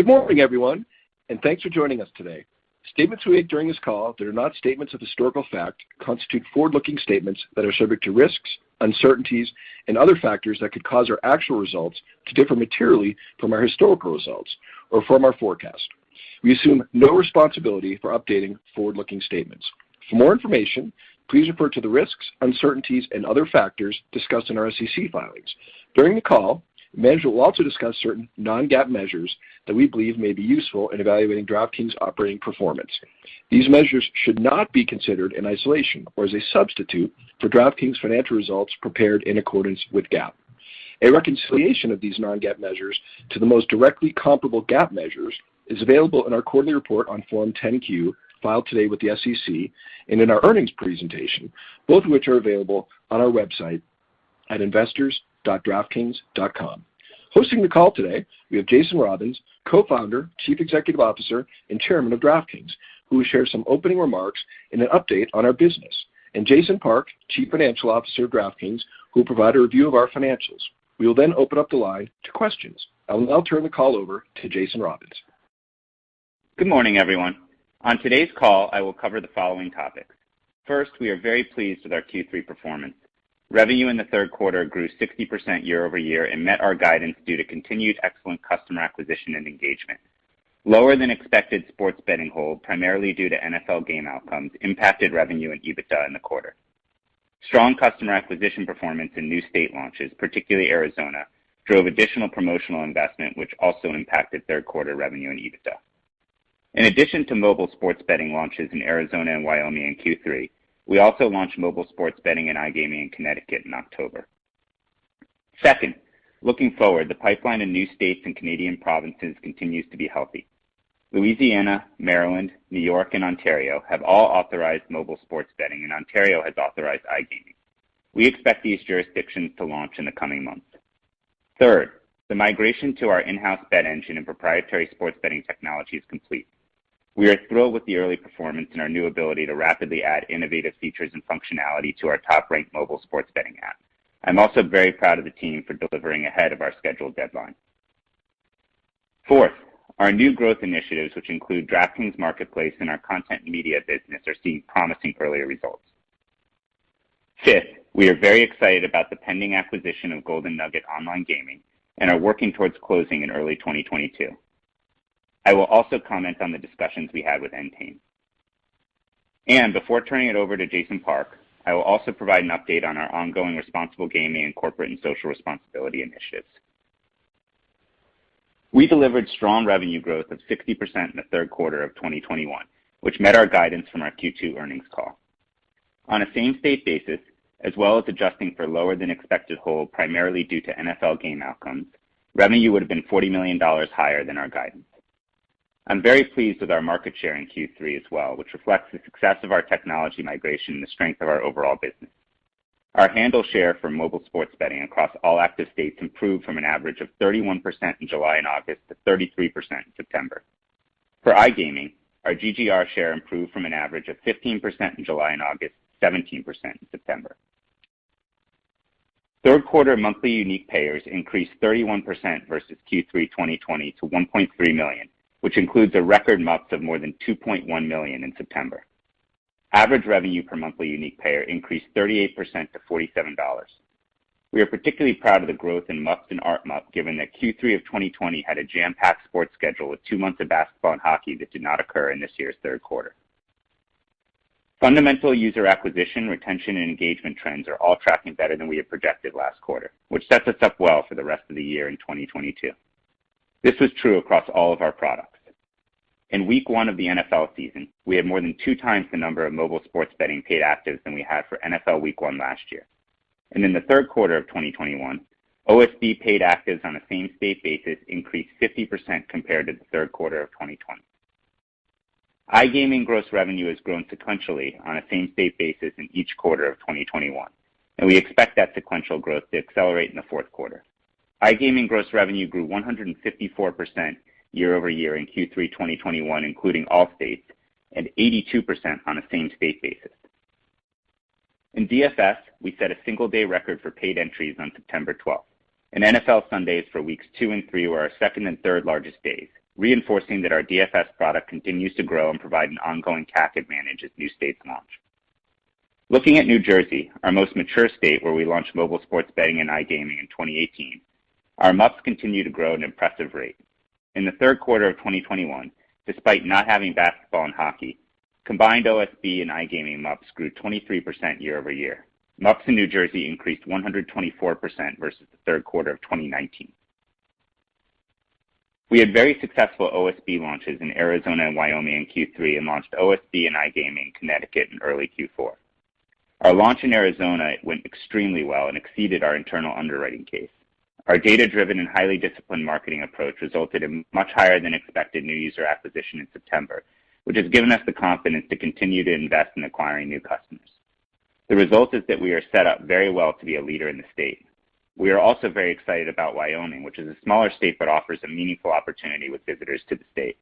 Good morning, everyone, and thanks for joining us today. Statements we make during this call that are not statements of historical fact constitute forward-looking statements that are subject to risks, uncertainties and other factors that could cause our actual results to differ materially from our historical results or from our forecast. We assume no responsibility for updating forward-looking statements. For more information, please refer to the risks, uncertainties and other factors discussed in our SEC filings. During the call, management will also discuss certain non-GAAP measures that we believe may be useful in evaluating DraftKings' operating performance. These measures should not be considered in isolation or as a substitute for DraftKings' financial results prepared in accordance with GAAP. A reconciliation of these non-GAAP measures to the most directly comparable GAAP measures is available in our quarterly report on Form 10-Q filed today with the SEC and in our earnings presentation, both of which are available on our website at investors.draftkings.com. Hosting the call today, we have Jason Robins, Co-Founder, Chief Executive Officer and Chairman of DraftKings, who will share some opening remarks and an update on our business, and Jason Park, Chief Financial Officer of DraftKings, who will provide a review of our financials. We will then open up the line to questions. I will now turn the call over to Jason Robins. Good morning, everyone. On today's call, I will cover the following topics. First, we are very pleased with our Q3 performance. Revenue in the third quarter grew 60% year-over-year and met our guidance due to continued excellent customer acquisition and engagement. Lower than expected sports betting hold, primarily due to NFL game outcomes, impacted revenue and EBITDA in the quarter. Strong customer acquisition performance in new state launches, particularly Arizona, drove additional promotional investment, which also impacted third quarter revenue and EBITDA. In addition to mobile sports betting launches in Arizona and Wyoming in Q3, we also launched mobile sports betting and iGaming in Connecticut in October. Second, looking forward, the pipeline in new states and Canadian provinces continues to be healthy. Louisiana, Maryland, New York and Ontario have all authorized mobile sports betting, and Ontario has authorized iGaming. We expect these jurisdictions to launch in the coming months. Third, the migration to our in-house bet engine and proprietary sports betting technology is complete. We are thrilled with the early performance and our new ability to rapidly add innovative features and functionality to our top-ranked mobile sports betting app. I'm also very proud of the team for delivering ahead of our scheduled deadline. Fourth, our new growth initiatives, which include DraftKings Marketplace and our content and media business, are seeing promising early results. Fifth, we are very excited about the pending acquisition of Golden Nugget Online Gaming and are working towards closing in early 2022. I will also comment on the discussions we had with Entain. Before turning it over to Jason Park, I will also provide an update on our ongoing responsible gaming and corporate and social responsibility initiatives. We delivered strong revenue growth of 60% in the third quarter of 2021, which met our guidance from our Q2 earnings call. On a same state basis, as well as adjusting for lower-than-expected hold, primarily due to NFL game outcomes, revenue would have been $40 million higher than our guidance. I'm very pleased with our market share in Q3 as well, which reflects the success of our technology migration and the strength of our overall business. Our handle share for mobile sports betting across all active states improved from an average of 31% in July and August to 33% in September. For iGaming, our GGR share improved from an average of 15% in July and August to 17% in September. Third quarter monthly unique payers increased 31% versus Q3 2020 to 1.3 million, which includes a record MUPs of more than 2.1 million in September. Average revenue per monthly unique payer increased 38% to $47. We are particularly proud of the growth in MUPs and ARPMUP, given that Q3 of 2020 had a jam-packed sports schedule with two months of basketball and hockey that did not occur in this year's third quarter. Fundamental user acquisition, retention and engagement trends are all tracking better than we had projected last quarter, which sets us up well for the rest of the year and 2022. This was true across all of our products. In week one of the NFL season, we had more than 2x the number of mobile sports betting paid actives than we had for NFL week one last year. In the third quarter of 2021, OSB paid actives on a same state basis increased 50% compared to the third quarter of 2020. iGaming gross revenue has grown sequentially on a same state basis in each quarter of 2021, and we expect that sequential growth to accelerate in the fourth quarter. iGaming gross revenue grew 154% year-over-year in Q3 2021, including all states, and 82% on a same state basis. In DFS, we set a single day record for paid entries on September 12, and NFL Sundays for weeks two and three were our second and third largest days, reinforcing that our DFS product continues to grow and provide an ongoing CAC advantage as new states launch. Looking at New Jersey, our most mature state, where we launched mobile sports betting and iGaming in 2018, our MUPs continue to grow at an impressive rate. In the third quarter of 2021, despite not having basketball and hockey, combined OSB and iGaming MUPs grew 23% year-over-year. MUPs in New Jersey increased 124% versus the third quarter of 2019. We had very successful OSB launches in Arizona and Wyoming in Q3 and launched OSB and iGaming in Connecticut in early Q4. Our launch in Arizona went extremely well and exceeded our internal underwriting case. Our data-driven and highly disciplined marketing approach resulted in much higher-than-expected new user acquisition in September, which has given us the confidence to continue to invest in acquiring new customers. The result is that we are set up very well to be a leader in the state. We are also very excited about Wyoming, which is a smaller state but offers a meaningful opportunity with visitors to the state.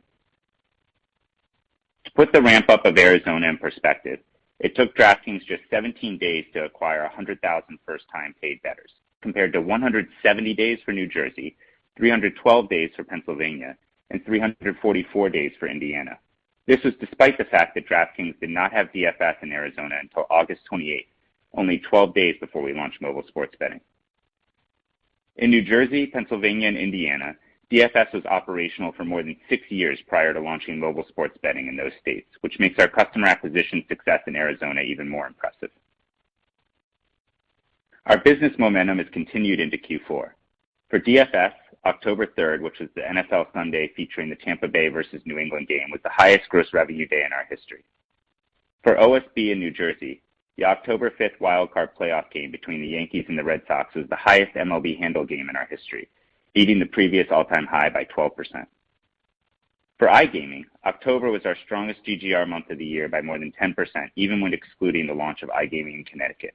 To put the ramp up of Arizona in perspective, it took DraftKings just 17 days to acquire 100,000 first-time paid bettors, compared to 170 days for New Jersey, 312 days for Pennsylvania, and 344 days for Indiana. This is despite the fact that DraftKings did not have DFS in Arizona until August 28, only 12 days before we launched mobile sports betting. In New Jersey, Pennsylvania, and Indiana, DFS was operational for more than six years prior to launching mobile sports betting in those states, which makes our customer acquisition success in Arizona even more impressive. Our business momentum has continued into Q4. For DFS, October 3rd, which was the NFL Sunday featuring the Tampa Bay versus New England game, was the highest gross revenue day in our history. For OSB in New Jersey, the October 5th wild card playoff game between the Yankees and the Red Sox was the highest MLB handle game in our history, beating the previous all-time high by 12%. For iGaming, October was our strongest GGR month of the year by more than 10%, even when excluding the launch of iGaming in Connecticut.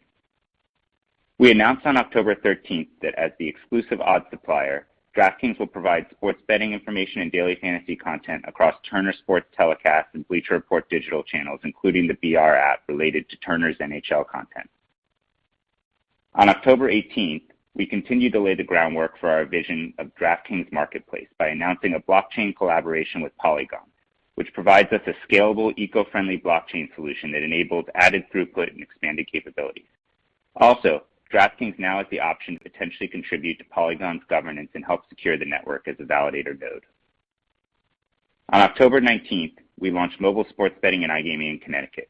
We announced on October 13th that as the exclusive odds supplier, DraftKings will provide sports betting information and daily fantasy content across Turner Sports telecasts and Bleacher Report digital channels, including the B/R app related to Turner's NHL content. On October 18th, we continued to lay the groundwork for our vision of DraftKings Marketplace by announcing a blockchain collaboration with Polygon, which provides us a scalable, eco-friendly blockchain solution that enables added throughput and expanded capabilities. Also, DraftKings now has the option to potentially contribute to Polygon's governance and help secure the network as a validator node. On October 19th, we launched mobile sports betting and iGaming in Connecticut.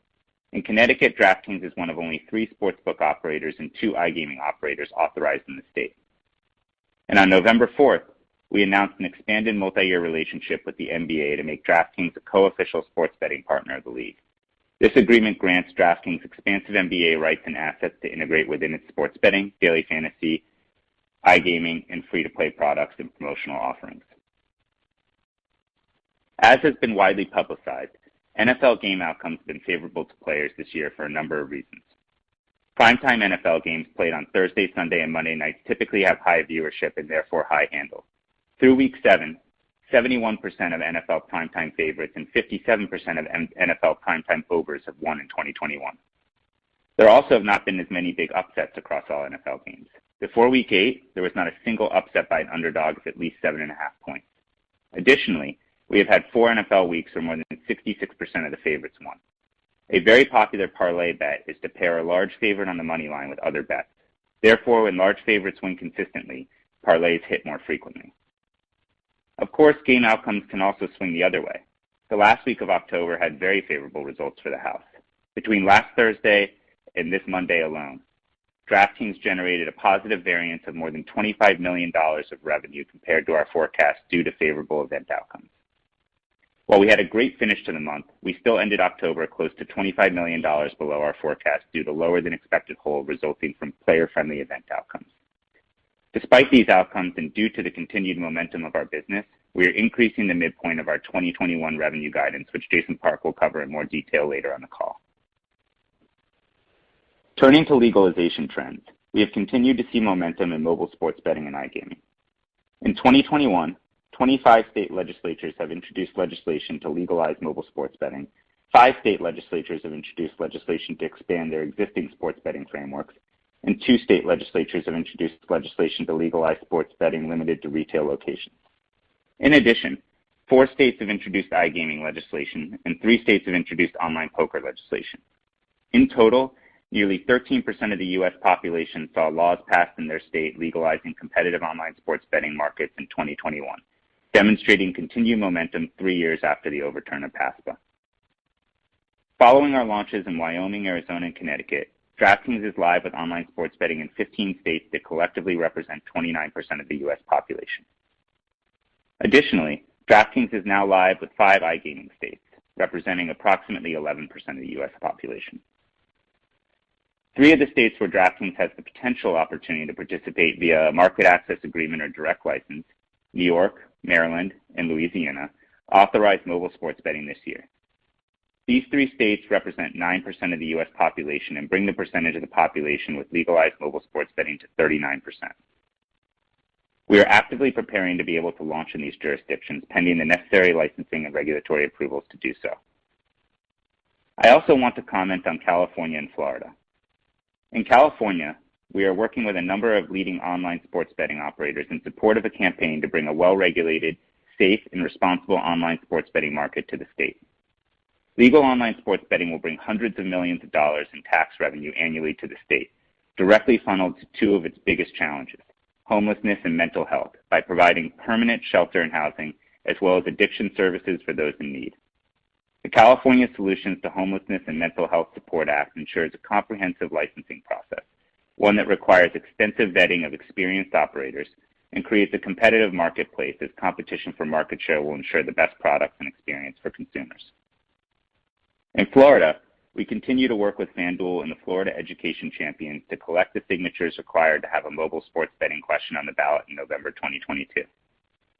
In Connecticut, DraftKings is one of only three sportsbook operators and two iGaming operators authorized in the state. On November 4th, we announced an expanded multi-year relationship with the NBA to make DraftKings a co-official sports betting partner of the league. This agreement grants DraftKings expansive NBA rights and assets to integrate within its sports betting, daily fantasy, iGaming, and free-to-play products and promotional offerings. As has been widely publicized, NFL game outcomes have been favorable to players this year for a number of reasons. Primetime NFL games played on Thursday, Sunday, and Monday nights typically have high viewership and therefore high handle. Through week seven, 71% of NFL primetime favorites and 57% of NFL primetime overs have won in 2021. There also have not been as many big upsets across all NFL games. Before week eight, there was not a single upset by an underdog of at least 7.5 points. Additionally, we have had four NFL weeks where more than 66% of the favorites won. A very popular parlay bet is to pair a large favorite on the money line with other bets. Therefore, when large favorites win consistently, parlays hit more frequently. Of course, game outcomes can also swing the other way. The last week of October had very favorable results for the house. Between last Thursday and this Monday alone, DraftKings generated a positive variance of more than $25 million of revenue compared to our forecast due to favorable event outcomes. While we had a great finish to the month, we still ended October close to $25 million below our forecast due to lower-than-expected hold resulting from player-friendly event outcomes. Despite these outcomes and due to the continued momentum of our business, we are increasing the midpoint of our 2021 revenue guidance, which Jason Park will cover in more detail later on the call. Turning to legalization trends, we have continued to see momentum in mobile sports betting and iGaming. In 2021, 25 state legislatures have introduced legislation to legalize mobile sports betting, five state legislatures have introduced legislation to expand their existing sports betting frameworks, and two state legislatures have introduced legislation to legalize sports betting limited to retail locations. In addition, four states have introduced iGaming legislation, and three states have introduced online poker legislation. In total, nearly 13% of the U.S. population saw laws passed in their state legalizing competitive online sports betting markets in 2021, demonstrating continued momentum three years after the overturn of PASPA. Following our launches in Wyoming, Arizona, and Connecticut, DraftKings is live with online sports betting in 15 states that collectively represent 29% of the U.S. population. Additionally, DraftKings is now live with five iGaming states, representing approximately 11% of the U.S. population. Three of the states where DraftKings has the potential opportunity to participate via a market access agreement or direct license, New York, Maryland, and Louisiana, authorized mobile sports betting this year. These three states represent 9% of the U.S. population and bring the percentage of the population with legalized mobile sports betting to 39%. We are actively preparing to be able to launch in these jurisdictions, pending the necessary licensing and regulatory approvals to do so. I also want to comment on California and Florida. In California, we are working with a number of leading online sports betting operators in support of a campaign to bring a well-regulated, safe, and responsible online sports betting market to the state. Legal online sports betting will bring hundreds of millions of dollars in tax revenue annually to the state, directly funneled to two of its biggest challenges, homelessness and mental health, by providing permanent shelter and housing as well as addiction services for those in need. The California Solutions to Homelessness and Mental Health Support Act ensures a comprehensive licensing process, one that requires extensive vetting of experienced operators and creates a competitive marketplace as competition for market share will ensure the best product and experience for consumers. In Florida, we continue to work with FanDuel and the Florida Education Champions to collect the signatures required to have a mobile sports betting question on the ballot in November 2022.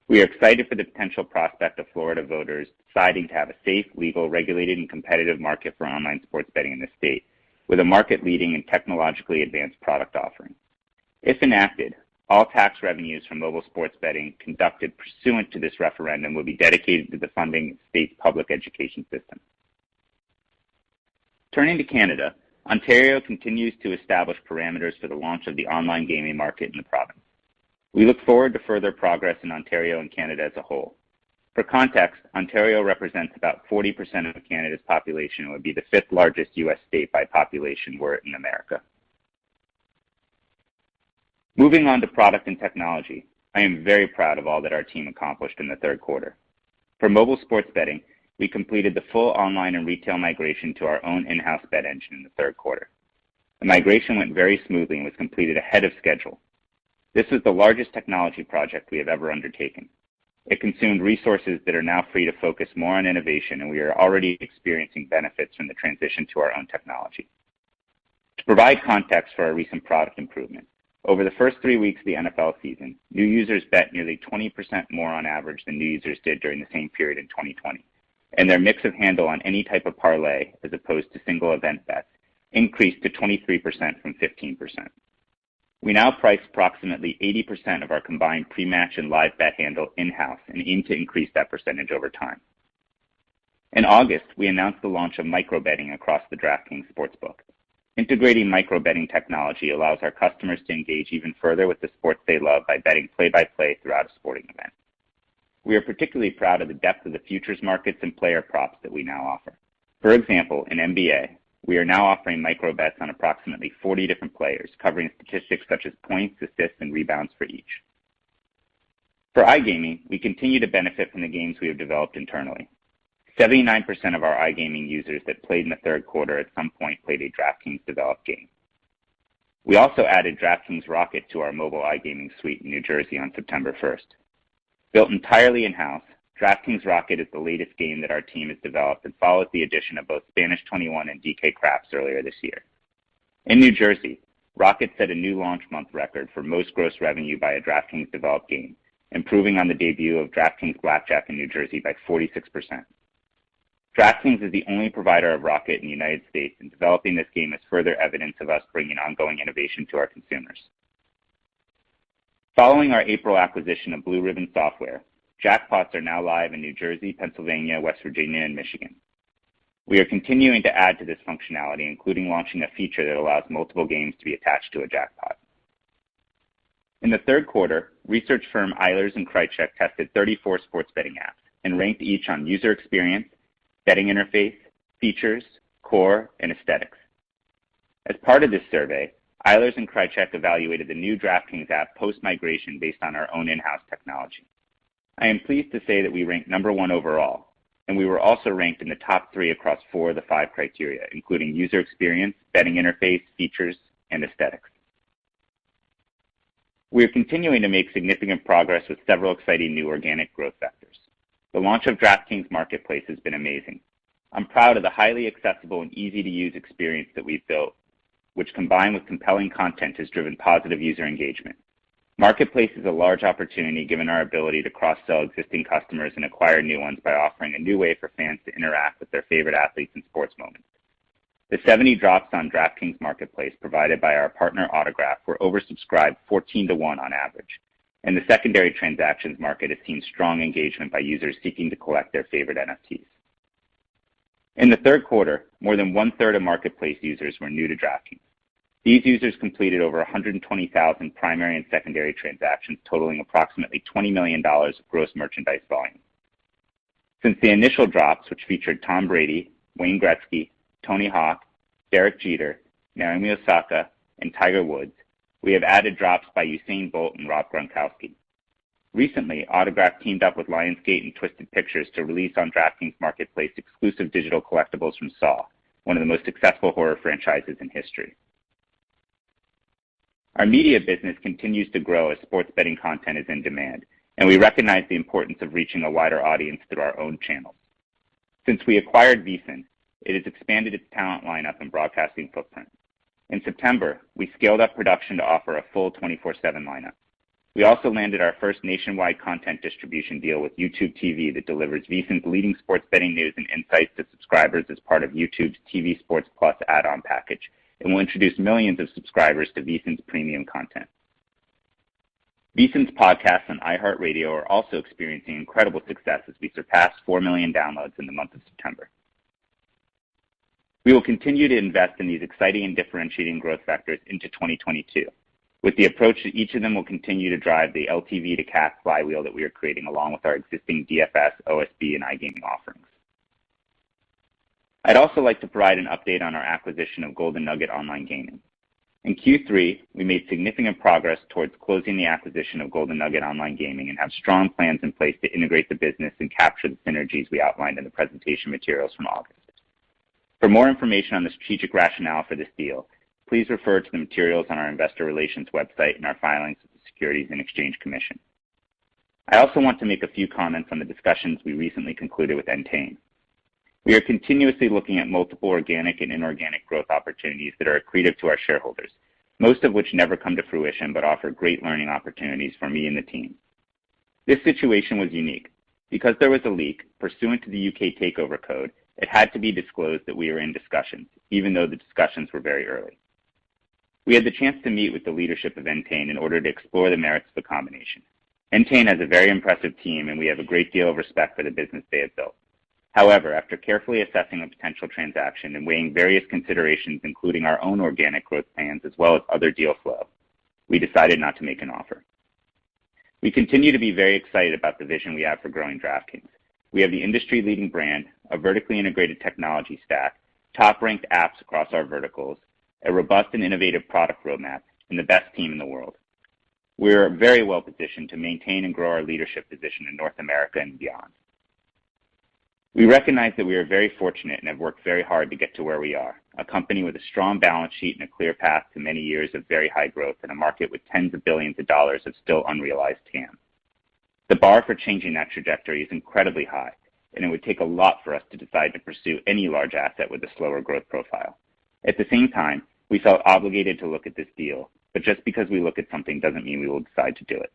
We are excited for the potential prospect of Florida voters deciding to have a safe, legal, regulated, and competitive market for online sports betting in the state with a market-leading and technologically advanced product offering. If enacted, all tax revenues from mobile sports betting conducted pursuant to this referendum will be dedicated to the funding of the state public education system. Turning to Canada, Ontario continues to establish parameters for the launch of the online gaming market in the province. We look forward to further progress in Ontario and Canada as a whole. For context, Ontario represents about 40% of Canada's population and would be the fifth largest U.S. state by population were it in America. Moving on to product and technology, I am very proud of all that our team accomplished in the third quarter. For mobile sports betting, we completed the full online and retail migration to our own in-house bet engine in the third quarter. The migration went very smoothly and was completed ahead of schedule. This is the largest technology project we have ever undertaken. It consumed resources that are now free to focus more on innovation, and we are already experiencing benefits from the transition to our own technology. To provide context for our recent product improvement, over the first three weeks of the NFL season, new users bet nearly 20% more on average than new users did during the same period in 2020, and their mix of handle on any type of parlay as opposed to single event bets increased to 23% from 15%. We now price approximately 80% of our combined pre-match and live bet handle in-house and aim to increase that percentage over time. In August, we announced the launch of micro-betting across the DraftKings Sportsbook. Integrating micro-betting technology allows our customers to engage even further with the sports they love by betting play-by-play throughout a sporting event. We are particularly proud of the depth of the futures markets and player props that we now offer. For example, in NBA, we are now offering micro-bets on approximately 40 different players, covering statistics such as points, assists, and rebounds for each. For iGaming, we continue to benefit from the games we have developed internally. 79% of our iGaming users that played in the third quarter at some point played a DraftKings developed game. We also added DraftKings Rocket to our mobile iGaming suite in New Jersey on September 1st. Built entirely in-house, DraftKings Rocket is the latest game that our team has developed and followed the addition of both Spanish 21 and DK Craps earlier this year. In New Jersey, Rocket set a new launch month record for most gross revenue by a DraftKings developed game, improving on the debut of DraftKings Blackjack in New Jersey by 46%. DraftKings is the only provider of Rocket in the United States, and developing this game is further evidence of us bringing ongoing innovation to our consumers. Following our April acquisition of Blue Ribbon Software, jackpots are now live in New Jersey, Pennsylvania, West Virginia, and Michigan. We are continuing to add to this functionality, including launching a feature that allows multiple games to be attached to a jackpot. In the third quarter, research firm Eilers & Krejcik tested 34 sports betting apps and ranked each on user experience, betting interface, features, core, and aesthetics. As part of this survey, Eilers & Krejcik evaluated the new DraftKings app post-migration based on our own in-house technology. I am pleased to say that we ranked number one overall, and we were also ranked in the top three across four of the five criteria, including user experience, betting interface, features, and aesthetics. We are continuing to make significant progress with several exciting new organic growth vectors. The launch of DraftKings Marketplace has been amazing. I'm proud of the highly accessible and easy-to-use experience that we've built, which, combined with compelling content, has driven positive user engagement. Marketplace is a large opportunity, given our ability to cross-sell existing customers and acquire new ones by offering a new way for fans to interact with their favorite athletes in sports moments. The 70 drops on DraftKings Marketplace provided by our partner Autograph were oversubscribed 14-to-1 on average, and the secondary transactions market has seen strong engagement by users seeking to collect their favorite NFTs. In the third quarter, more than 1/3 of Marketplace users were new to DraftKings. These users completed over 120,000 primary and secondary transactions, totaling approximately $20 million of gross merchandise volume. Since the initial drops, which featured Tom Brady, Wayne Gretzky, Tony Hawk, Derek Jeter, Naomi Osaka, and Tiger Woods, we have added drops by Usain Bolt and Rob Gronkowski. Recently, Autograph teamed up with Lionsgate and Twisted Pictures to release on DraftKings Marketplace exclusive digital collectibles from Saw, one of the most successful horror franchises in history. Our media business continues to grow as sports betting content is in demand, and we recognize the importance of reaching a wider audience through our own channels. Since we acquired VSiN, it has expanded its talent lineup and broadcasting footprint. In September, we scaled up production to offer a full 24/7 lineup. We also landed our first nationwide content distribution deal with YouTube TV that delivers VSiN's leading sports betting news and insights to subscribers as part of YouTube's TV Sports Plus add-on package and will introduce millions of subscribers to VSiN's premium content. VSiN's podcasts on iHeartRadio are also experiencing incredible success as we surpassed 4 million downloads in the month of September. We will continue to invest in these exciting and differentiating growth vectors into 2022, with the approach that each of them will continue to drive the LTV to CAC flywheel that we are creating, along with our existing DFS, OSB, and iGaming offerings. I'd also like to provide an update on our acquisition of Golden Nugget Online Gaming. In Q3, we made significant progress towards closing the acquisition of Golden Nugget Online Gaming and have strong plans in place to integrate the business and capture the synergies we outlined in the presentation materials from August. For more information on the strategic rationale for this deal, please refer to the materials on our investor relations website and our filings with the Securities and Exchange Commission. I also want to make a few comments on the discussions we recently concluded with Entain. We are continuously looking at multiple organic and inorganic growth opportunities that are accretive to our shareholders, most of which never come to fruition but offer great learning opportunities for me and the team. This situation was unique. Because there was a leak pursuant to the U.K. Takeover Code, it had to be disclosed that we were in discussions, even though the discussions were very early. We had the chance to meet with the leadership of Entain in order to explore the merits of the combination. Entain has a very impressive team, and we have a great deal of respect for the business they have built. However, after carefully assessing a potential transaction and weighing various considerations, including our own organic growth plans as well as other deal flow, we decided not to make an offer. We continue to be very excited about the vision we have for growing DraftKings. We have the industry-leading brand, a vertically integrated technology stack, top-ranked apps across our verticals, a robust and innovative product roadmap, and the best team in the world. We are very well-positioned to maintain and grow our leadership position in North America and beyond. We recognize that we are very fortunate and have worked very hard to get to where we are, a company with a strong balance sheet and a clear path to many years of very high growth in a market with tens of billions of dollars is still unrealized TAM. The bar for changing that trajectory is incredibly high, and it would take a lot for us to decide to pursue any large asset with a slower growth profile. At the same time, we felt obligated to look at this deal. Just because we look at something doesn't mean we will decide to do it.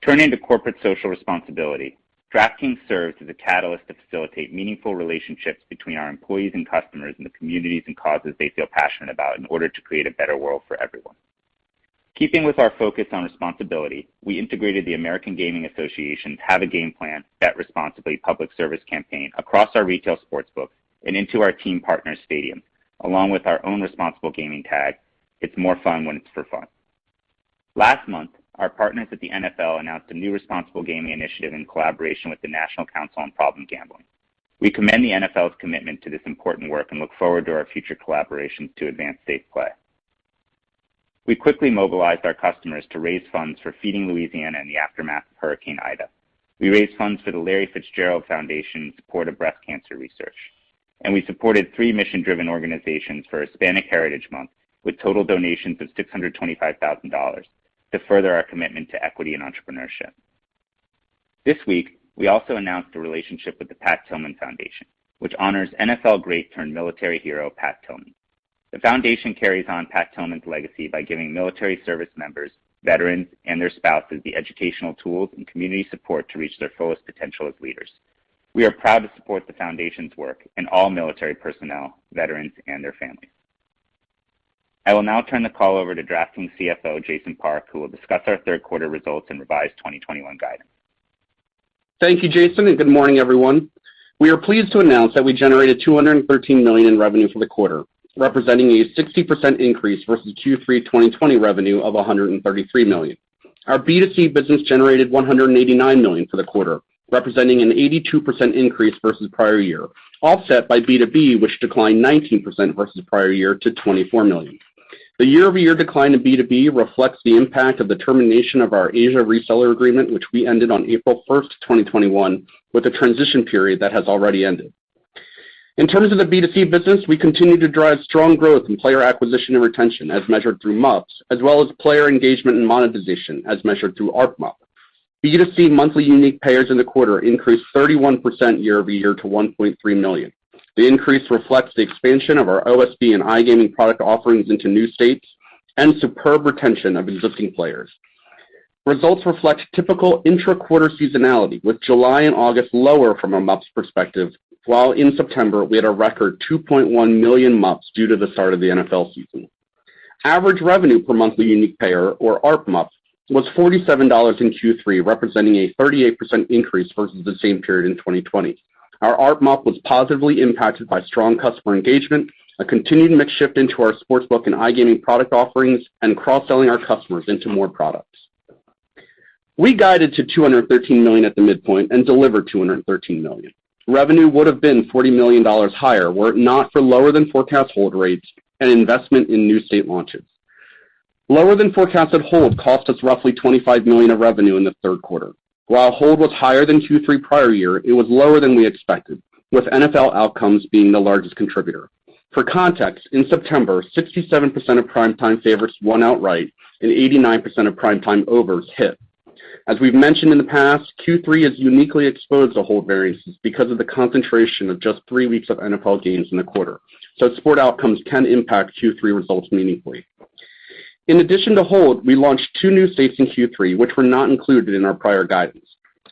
Turning to corporate social responsibility, DraftKings serves as a catalyst to facilitate meaningful relationships between our employees and customers in the communities and causes they feel passionate about in order to create a better world for everyone. In keeping with our focus on responsibility, we integrated the American Gaming Association Have A Game Plan. Bet Responsibly. public service campaign across our retail sportsbook and into our team partners stadium, along with our own responsible gaming tag, "It's more fun when it's for fun." Last month, our partners at the NFL announced a new responsible gaming initiative in collaboration with the National Council on Problem Gambling. We commend the NFL's commitment to this important work and look forward to our future collaborations to advance safe play. We quickly mobilized our customers to raise funds for Feeding Louisiana in the aftermath of Hurricane Ida. We raised funds for the Larry Fitzgerald Foundation in support of breast cancer research. We supported three mission-driven organizations for Hispanic Heritage Month with total donations of $625,000 to further our commitment to equity and entrepreneurship. This week, we also announced a relationship with the Pat Tillman Foundation, which honors NFL great turned military hero, Pat Tillman. The foundation carries on Pat Tillman's legacy by giving military service members, veterans, and their spouses the educational tools and community support to reach their fullest potential as leaders. We are proud to support the foundation's work and all military personnel, veterans, and their families. I will now turn the call over to DraftKings CFO, Jason Park, who will discuss our third quarter results and revised 2021 guidance. Thank you, Jason, and good morning, everyone. We are pleased to announce that we generated $213 million in revenue for the quarter, representing a 60% increase versus Q3 2020 revenue of $133 million. Our B2C business generated $189 million for the quarter, representing an 82% increase versus prior year, offset by B2B, which declined 19% versus prior year to $24 million. The year-over-year decline in B2B reflects the impact of the termination of our Asia reseller agreement, which we ended on April 1st, 2021, with a transition period that has already ended. In terms of the B2C business, we continue to drive strong growth in player acquisition and retention as measured through MUPs, as well as player engagement and monetization as measured through ARPMUP. B2C monthly unique payers in the quarter increased 31% year-over-year to 1.3 million. The increase reflects the expansion of our OSB and iGaming product offerings into new states and superb retention of existing players. Results reflect typical intra-quarter seasonality, with July and August lower from a MUPs perspective, while in September, we had a record 2.1 million MUPs due to the start of the NFL season. Average revenue per monthly unique payer, or ARPMUP, was $47 in Q3, representing a 38% increase versus the same period in 2020. Our ARPMUP was positively impacted by strong customer engagement, a continued mix shift into our sports book and iGaming product offerings, and cross selling our customers into more products. We guided to $213 million at the midpoint and delivered $213 million. Revenue would have been $40 million higher were it not for lower than forecast hold rates and investment in new state launches. Lower than forecasted hold cost us roughly $25 million of revenue in the third quarter. While hold was higher than Q3 prior year, it was lower than we expected, with NFL outcomes being the largest contributor. For context, in September, 67% of primetime favorites won outright and 89% of primetime overs hit. As we've mentioned in the past, Q3 is uniquely exposed to hold variances because of the concentration of just three weeks of NFL games in the quarter, so sports outcomes can impact Q3 results meaningfully. In addition to hold, we launched two new states in Q3, which were not included in our prior guidance.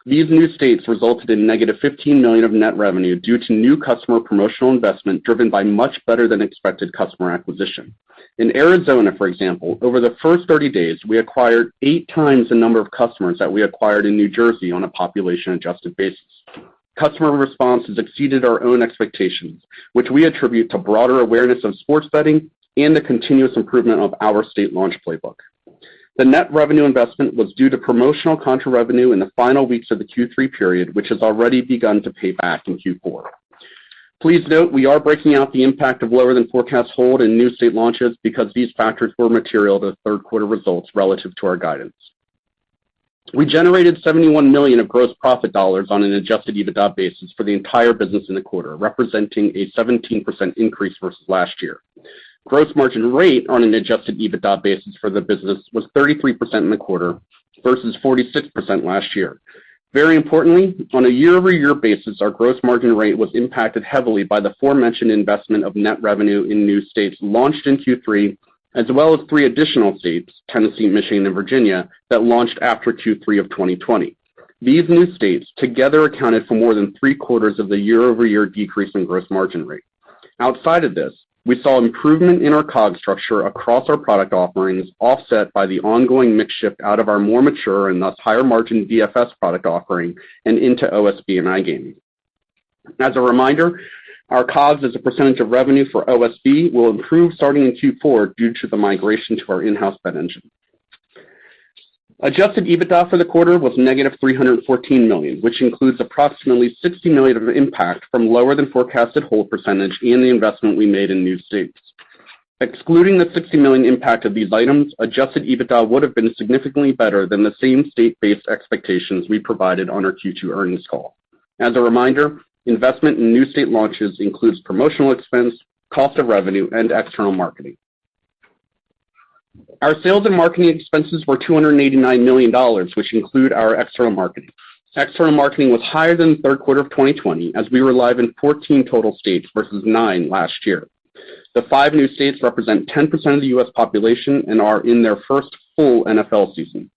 These new states resulted in -$15 million of net revenue due to new customer promotional investment driven by much better-than-expected customer acquisition. In Arizona, for example, over the first 30 days, we acquired 8x the number of customers that we acquired in New Jersey on a population-adjusted basis. Customer response has exceeded our own expectations, which we attribute to broader awareness of sports betting and the continuous improvement of our state launch playbook. The net revenue investment was due to promotional contra revenue in the final weeks of the Q3 period, which has already begun to pay back in Q4. Please note we are breaking out the impact of lower than forecast hold in new state launches because these factors were material to third quarter results relative to our guidance. We generated $71 million of gross profit dollars on an adjusted EBITDA basis for the entire business in the quarter, representing a 17% increase versus last year. Gross margin rate on an adjusted EBITDA basis for the business was 33% in the quarter versus 46% last year. Very importantly, on a year-over-year basis, our gross margin rate was impacted heavily by the aforementioned investment of net revenue in new states launched in Q3, as well as three additional states, Tennessee, Michigan, and Virginia, that launched after Q3 of 2020. These new states together accounted for more than 3/4 of the year-over-year decrease in gross margin rate. Outside of this, we saw improvement in our COGS structure across our product offerings, offset by the ongoing mix shift out of our more mature and thus higher margin DFS product offering and into OSB and iGaming. As a reminder, our COGS as a percentage of revenue for OSB will improve starting in Q4 due to the migration to our in-house bet engine. Adjusted EBITDA for the quarter was -$314 million, which includes approximately $60 million of impact from lower than forecasted hold percentage and the investment we made in new states. Excluding the $60 million impact of these items, adjusted EBITDA would have been significantly better than the same state-based expectations we provided on our Q2 earnings call. As a reminder, investment in new state launches includes promotional expense, cost of revenue, and external marketing. Our sales and marketing expenses were $289 million, which include our external marketing. External marketing was higher than the third quarter of 2020, as we were live in 14 total states versus nine last year. The five new states represent 10% of the U.S. population and are in their first full NFL season.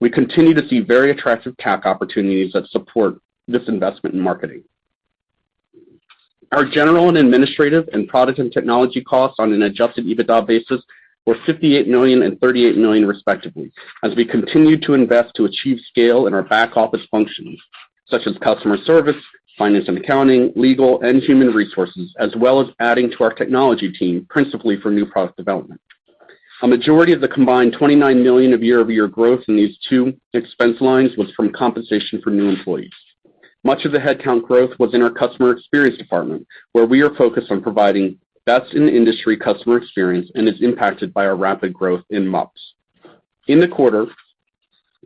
We continue to see very attractive CAC opportunities that support this investment in marketing. Our general and administrative and product and technology costs on an adjusted EBITDA basis were $58 million and $38 million respectively as we continue to invest to achieve scale in our back-office functions, such as customer service, finance and accounting, legal, and human resources, as well as adding to our technology team, principally for new product development. A majority of the combined $29 million of year-over-year growth in these two expense lines was from compensation for new employees. Much of the headcount growth was in our customer experience department, where we are focused on providing best-in-the-industry customer experience and is impacted by our rapid growth in MUPs. In the quarter,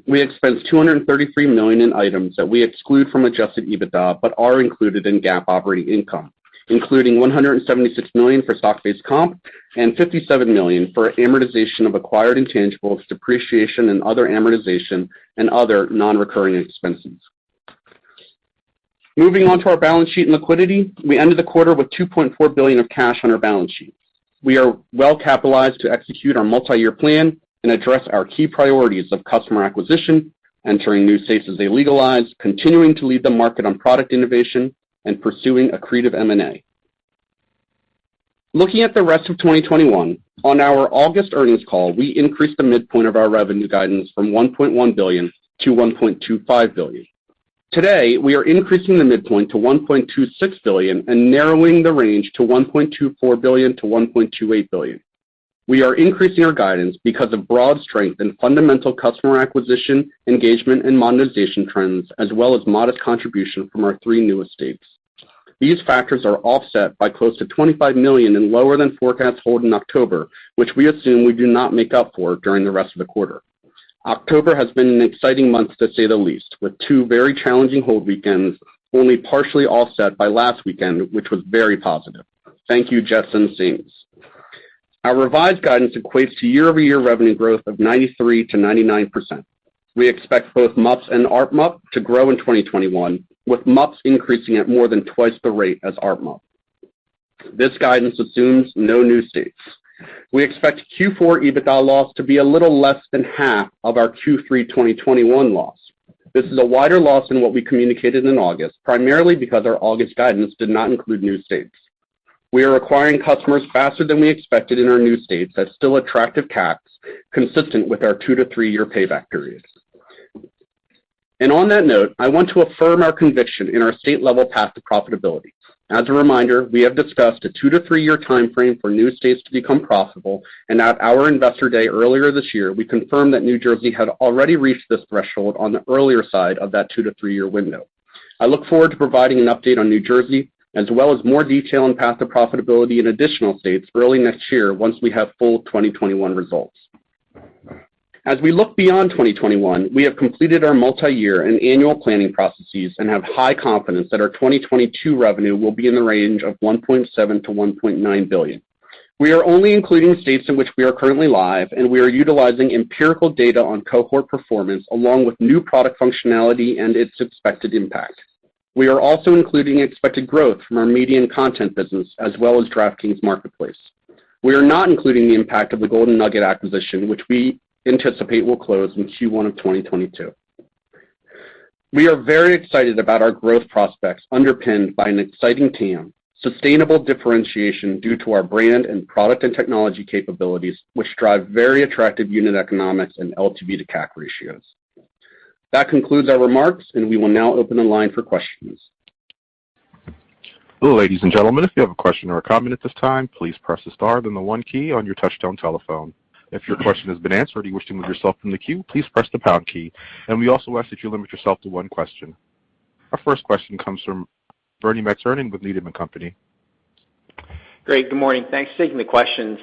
we expensed $233 million in items that we exclude from adjusted EBITDA, but are included in GAAP operating income, including $176 million for stock-based comp and $57 million for amortization of acquired intangibles, depreciation and other amortization and other non-recurring expenses. Moving on to our balance sheet and liquidity, we ended the quarter with $2.4 billion of cash on our balance sheet. We are well-capitalized to execute our multi-year plan and address our key priorities of customer acquisition, entering new states as they legalize, continuing to lead the market on product innovation, and pursuing accretive M&A. Looking at the rest of 2021, on our August earnings call, we increased the midpoint of our revenue guidance from $1.1 billion-$1.25 billion. Today, we are increasing the midpoint to $1.26 billion and narrowing the range to $1.24 billion-$1.28 billion. We are increasing our guidance because of broad strength in fundamental customer acquisition, engagement, and monetization trends, as well as modest contribution from our three newest states. These factors are offset by close to $25 million in lower than forecast hold in October, which we assume we do not make up for during the rest of the quarter. October has been an exciting month to say the least, with two very challenging hold weekends only partially offset by last weekend, which was very positive. Thank you, Jets and Saints. Our revised guidance equates to year-over-year revenue growth of 93%-99%. We expect both MUPs and ARPMUP to grow in 2021, with MUPs increasing at more than twice the rate as ARPMUP. This guidance assumes no new states. We expect Q4 EBITDA loss to be a little less than half of our Q3 2021 loss. This is a wider loss than what we communicated in August, primarily because our August guidance did not include new states. We are acquiring customers faster than we expected in our new states at still attractive CACs, consistent with our two-to-three-year payback periods. On that note, I want to affirm our conviction in our state-level path to profitability. As a reminder, we have discussed a two-to-three-year timeframe for new states to become profitable, and at our Investor Day earlier this year, we confirmed that New Jersey had already reached this threshold on the earlier side of that two-to-three-year window. I look forward to providing an update on New Jersey, as well as more detail on path to profitability in additional states early next year once we have full 2021 results. As we look beyond 2021, we have completed our multi-year and annual planning processes and have high confidence that our 2022 revenue will be in the range of $1.7 billion-$1.9 billion. We are only including states in which we are currently live, and we are utilizing empirical data on cohort performance along with new product functionality and its expected impact. We are also including expected growth from our media and content business as well as DraftKings Marketplace. We are not including the impact of the Golden Nugget acquisition, which we anticipate will close in Q1 of 2022. We are very excited about our growth prospects underpinned by an exciting TAM, sustainable differentiation due to our brand and product and technology capabilities, which drive very attractive unit economics and LTV to CAC ratios. That concludes our remarks, and we will now open the line for questions. Ladies and gentlemen, if you have a question or a comment at this time, please press the star, then the one key on your touchtone telephone. If your question has been answered or you wish to remove yourself from the queue, please press the pound key. We also ask that you limit yourself to one question. Our first question comes from Bernie McTernan with Needham & Company. Great, good morning. Thanks for taking the questions,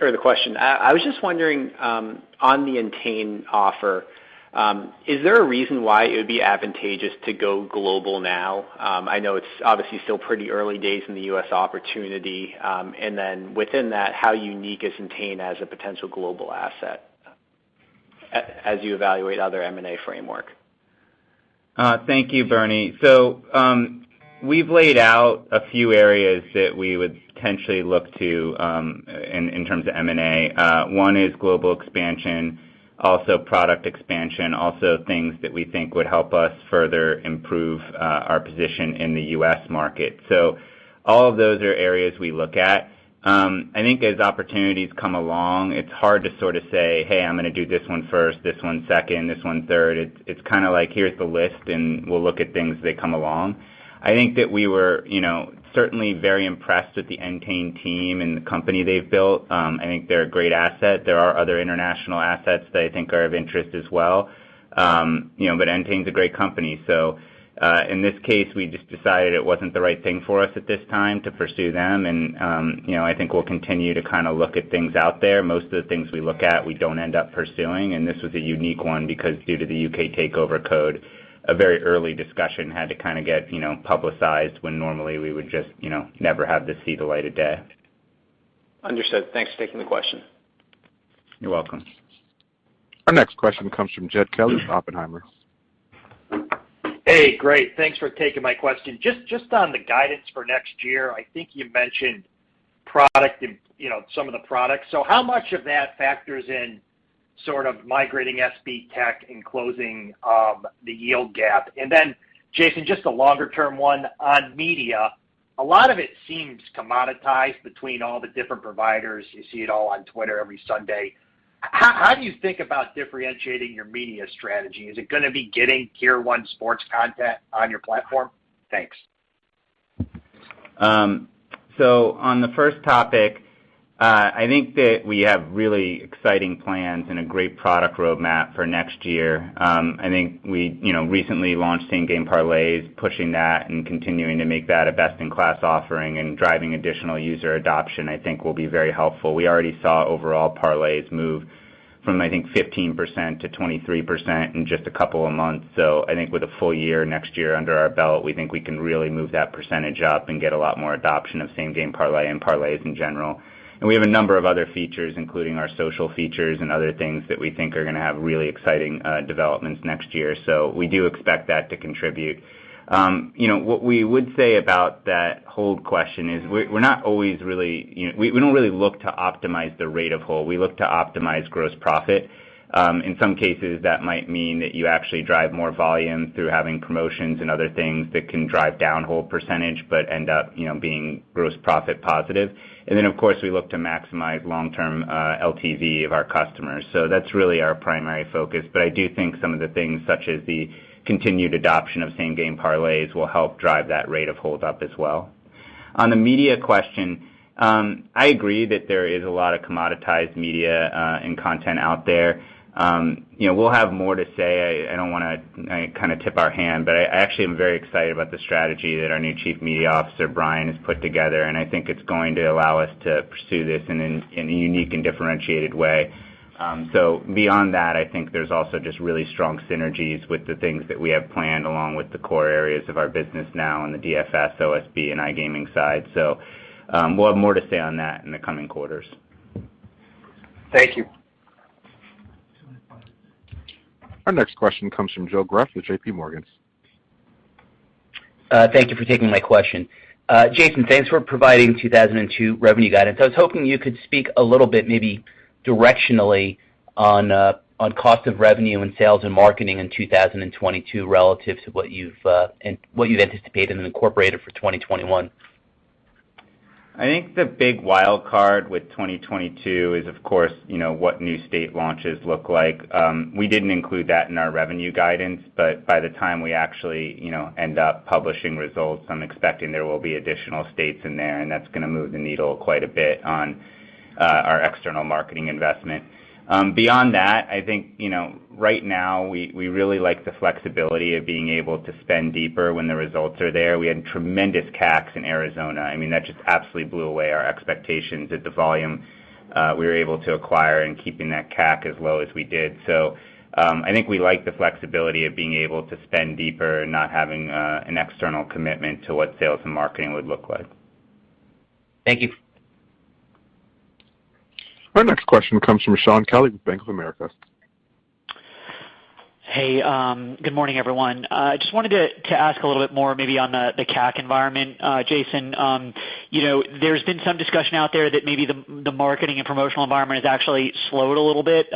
or the question. I was just wondering, on the Entain offer, is there a reason why it would be advantageous to go global now? I know it's obviously still pretty early days in the U.S. opportunity, and then within that, how unique is Entain as a potential global asset? As you evaluate other M&A framework? Thank you, Bernie. We've laid out a few areas that we would potentially look to in terms of M&A. One is global expansion, also product expansion, also things that we think would help us further improve our position in the U.S. market. All of those are areas we look at. I think as opportunities come along, it's hard to sort of say, "Hey, I'm gonna do this one first, this one second, this one third." It's kinda like, here's the list, and we'll look at things as they come along. I think that we were, you know, certainly very impressed with the Entain team and the company they've built. I think they're a great asset. There are other international assets that I think are of interest as well. You know, Entain's a great company. In this case, we just decided it wasn't the right thing for us at this time to pursue them and, you know, I think we'll continue to kinda look at things out there. Most of the things we look at, we don't end up pursuing, and this was a unique one because due to the U.K. Takeover Code, a very early discussion had to kinda get, you know, publicized when normally we would just, you know, never have this see the light of day. Understood. Thanks for taking the question. You're welcome. Our next question comes from Jed Kelly with Oppenheimer. Hey, great. Thanks for taking my question. Just on the guidance for next year, I think you mentioned product and, you know, some of the products. So how much of that factors in sort of migrating SBTech and closing the yield gap? And then Jason, just a longer term one on media. A lot of it seems commoditized between all the different providers. You see it all on Twitter every Sunday. How do you think about differentiating your media strategy? Is it gonna be getting tier one sports content on your platform? Thanks. On the first topic, I think that we have really exciting plans and a great product roadmap for next year. I think we, you know, recently launched Same Game Parlays, pushing that and continuing to make that a best-in-class offering and driving additional user adoption, I think will be very helpful. We already saw overall parlays move from 15% to 23% in just a couple of months. I think with a full year next year under our belt, we think we can really move that percentage up and get a lot more adoption of Same Game Parlay and parlays in general. We have a number of other features, including our social features and other things that we think are gonna have really exciting developments next year. We do expect that to contribute. You know, what we would say about that hold question is we're not always really. You know, we don't really look to optimize the rate of hold. We look to optimize gross profit. In some cases, that might mean that you actually drive more volume through having promotions and other things that can drive down hold percentage, but end up, you know, being gross profit positive. Of course, we look to maximize long-term LTV of our customers. That's really our primary focus. I do think some of the things such as the continued adoption of Same Game Parlays will help drive that rate of hold up as well. On the media question, I agree that there is a lot of commoditized media and content out there. You know, we'll have more to say. I don't wanna kinda tip our hand, but I actually am very excited about the strategy that our new Chief Media Officer, Brian, has put together, and I think it's going to allow us to pursue this in a unique and differentiated way. Beyond that, I think there's also just really strong synergies with the things that we have planned along with the core areas of our business now in the DFS, OSB, and iGaming side. We'll have more to say on that in the coming quarters. Thank you. Our next question comes from Joe Greff with JPMorgan. Thank you for taking my question. Jason, thanks for providing 2022 revenue guidance. I was hoping you could speak a little bit, maybe directionally on cost of revenue and sales and marketing in 2022 relative to what you've anticipated and incorporated for 2021. I think the big wild card with 2022 is, of course, you know, what new state launches look like. We didn't include that in our revenue guidance, but by the time we actually, you know, end up publishing results, I'm expecting there will be additional states in there, and that's gonna move the needle quite a bit on our external marketing investment. Beyond that, I think, you know, right now, we really like the flexibility of being able to spend deeper when the results are there. We had tremendous CACs in Arizona. I mean, that just absolutely blew away our expectations at the volume we were able to acquire and keeping that CAC as low as we did. I think we like the flexibility of being able to spend deeper and not having an external commitment to what sales and marketing would look like. Thank you. Our next question comes from Shaun Kelley with Bank of America. Hey, good morning, everyone. Just wanted to ask a little bit more maybe on the CAC environment. Jason, you know, there's been some discussion out there that maybe the marketing and promotional environment has actually slowed a little bit,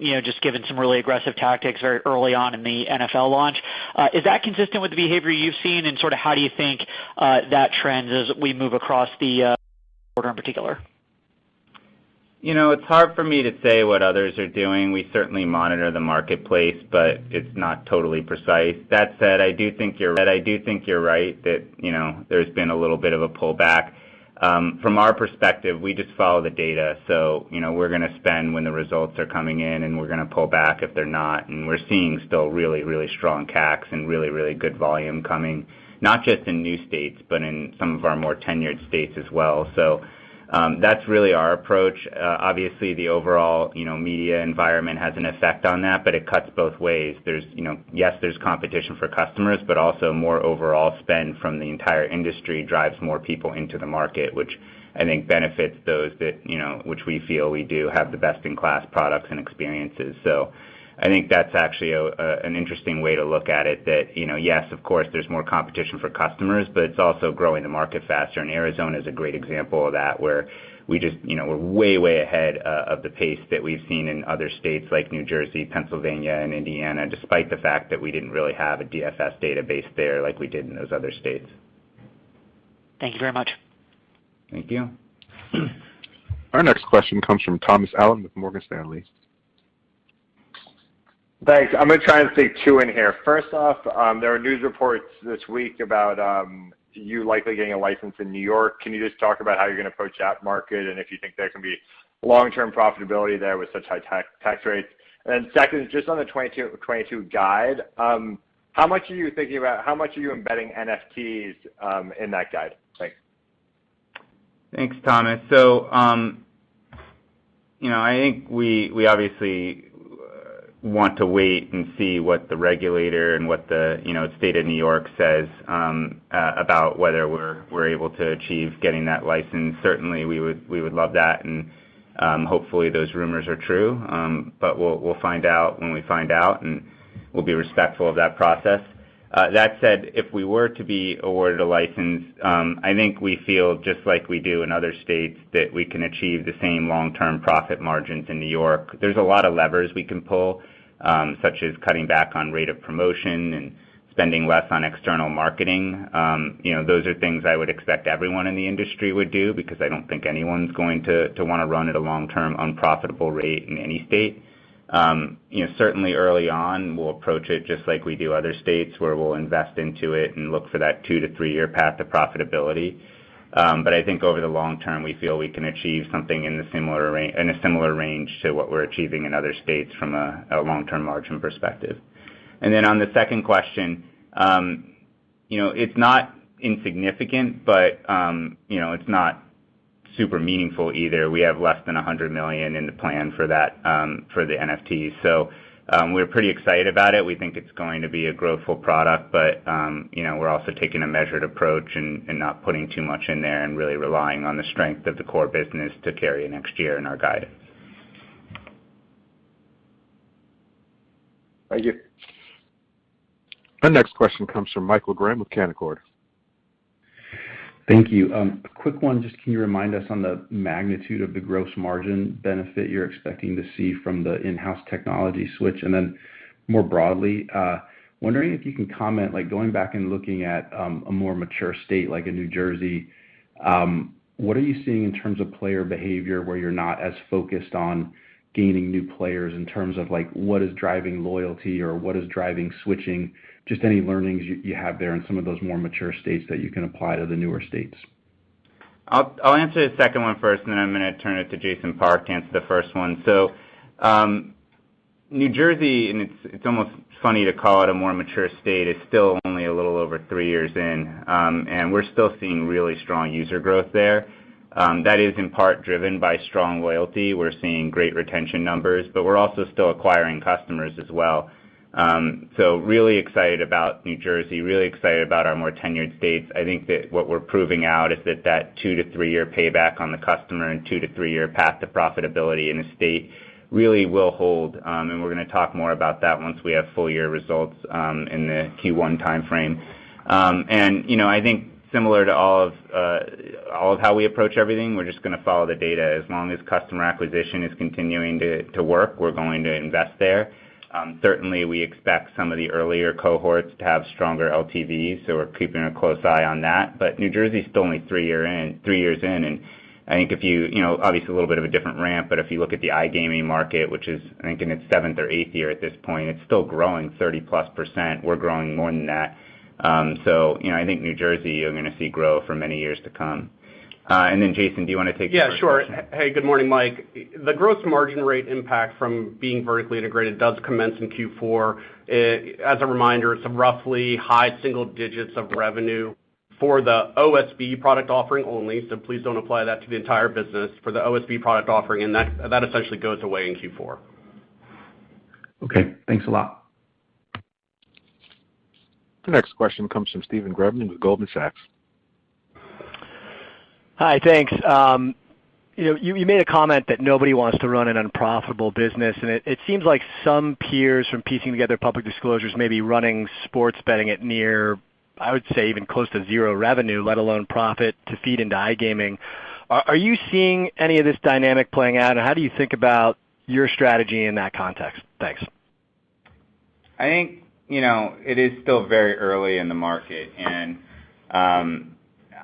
you know, just given some really aggressive tactics very early on in the NFL launch. Is that consistent with the behavior you've seen? Sorta how do you think that trends as we move across the quarter in particular? You know, it's hard for me to say what others are doing. We certainly monitor the marketplace, but it's not totally precise. That said, but I do think you're right that, you know, there's been a little bit of a pullback. From our perspective, we just follow the data. You know, we're gonna spend when the results are coming in, and we're gonna pull back if they're not. We're seeing still really, really strong CACs and really, really good volume coming, not just in new states, but in some of our more tenured states as well. That's really our approach. Obviously the overall, you know, media environment has an effect on that, but it cuts both ways. There's, you know... Yes, there's competition for customers, but also more overall spend from the entire industry drives more people into the market, which I think benefits those that, you know, which we feel we do have the best-in-class products and experiences. So I think that's actually an interesting way to look at it that, you know, yes, of course, there's more competition for customers, but it's also growing the market faster. Arizona is a great example of that, where we just, you know, we're way ahead of the pace that we've seen in other states like New Jersey, Pennsylvania, and Indiana, despite the fact that we didn't really have a DFS database there like we did in those other states. Thank you very much. Thank you. Our next question comes from Thomas Allen with Morgan Stanley. Thanks. I'm gonna try and sneak two in here. First off, there are news reports this week about you likely getting a license in New York. Can you just talk about how you're gonna approach that market and if you think there can be long-term profitability there with such high tax rates? Second, just on the 2022 guide, how much are you embedding NFTs in that guide? Thanks. Thanks, Thomas. You know, I think we obviously want to wait and see what the regulator and what the state of New York says about whether we're able to achieve getting that license. Certainly, we would love that, and hopefully those rumors are true. We'll find out when we find out, and we'll be respectful of that process. That said, if we were to be awarded a license, I think we feel just like we do in other states that we can achieve the same long-term profit margins in New York. There's a lot of levers we can pull, such as cutting back on rate of promotion and spending less on external marketing. You know, those are things I would expect everyone in the industry would do because I don't think anyone's going to want to run at a long-term unprofitable rate in any state. You know, certainly early on, we'll approach it just like we do other states, where we'll invest into it and look for that two-to-three-year path to profitability. But I think over the long term, we feel we can achieve something in a similar range to what we're achieving in other states from a long-term margin perspective. On the second question, you know, it's not insignificant, but, you know, it's not super meaningful either. We have less than $100 million in the plan for that, for the NFT. We're pretty excited about it. We think it's going to be a growthful product, but you know, we're also taking a measured approach and not putting too much in there and really relying on the strength of the core business to carry next year in our guidance. Thank you. Our next question comes from Michael Graham with Canaccord. Thank you. A quick one. Just can you remind us on the magnitude of the gross margin benefit you're expecting to see from the in-house technology switch? More broadly, wondering if you can comment, like going back and looking at a more mature state like in New Jersey, what are you seeing in terms of player behavior where you're not as focused on gaining new players in terms of like what is driving loyalty or what is driving switching? Just any learnings you have there in some of those more mature states that you can apply to the newer states. I'll answer the second one first, and then I'm gonna turn it to Jason Park to answer the first one. New Jersey, and it's almost funny to call it a more mature state. It's still only a little over three years in. We're still seeing really strong user growth there. That is in part driven by strong loyalty. We're seeing great retention numbers, but we're also still acquiring customers as well. Really excited about New Jersey, really excited about our more tenured states. I think that what we're proving out is that two-to-three-year payback on the customer and two-to-three-year path to profitability in a state really will hold, and we're gonna talk more about that once we have full year results, in the Q1 timeframe. You know, I think similar to all of how we approach everything, we're just gonna follow the data. As long as customer acquisition is continuing to work, we're going to invest there. Certainly, we expect some of the earlier cohorts to have stronger LTVs, so we're keeping a close eye on that. New Jersey is still only three years in, and I think if you know, obviously a little bit of a different ramp, but if you look at the iGaming market, which is I think in its seventh or eighth year at this point, it's still growing 30%+. We're growing more than that. You know, I think New Jersey, you're gonna see growth for many years to come. Jason, do you wanna take the first question? Yeah, sure. Hey, good morning, Mike. The gross margin rate impact from being vertically integrated does commence in Q4. As a reminder, it's roughly high single digits of revenue for the OSB product offering only, so please don't apply that to the entire business for the OSB product offering, and that essentially goes away in Q4. Okay. Thanks a lot. The next question comes from Stephen Grambling with Goldman Sachs. Hi. Thanks. You know, you made a comment that nobody wants to run an unprofitable business, and it seems like some peers from piecing together public disclosures may be running sports betting at near, I would say, even close to zero revenue, let alone profit, to feed into iGaming. Are you seeing any of this dynamic playing out, and how do you think about your strategy in that context? Thanks. I think, you know, it is still very early in the market, and,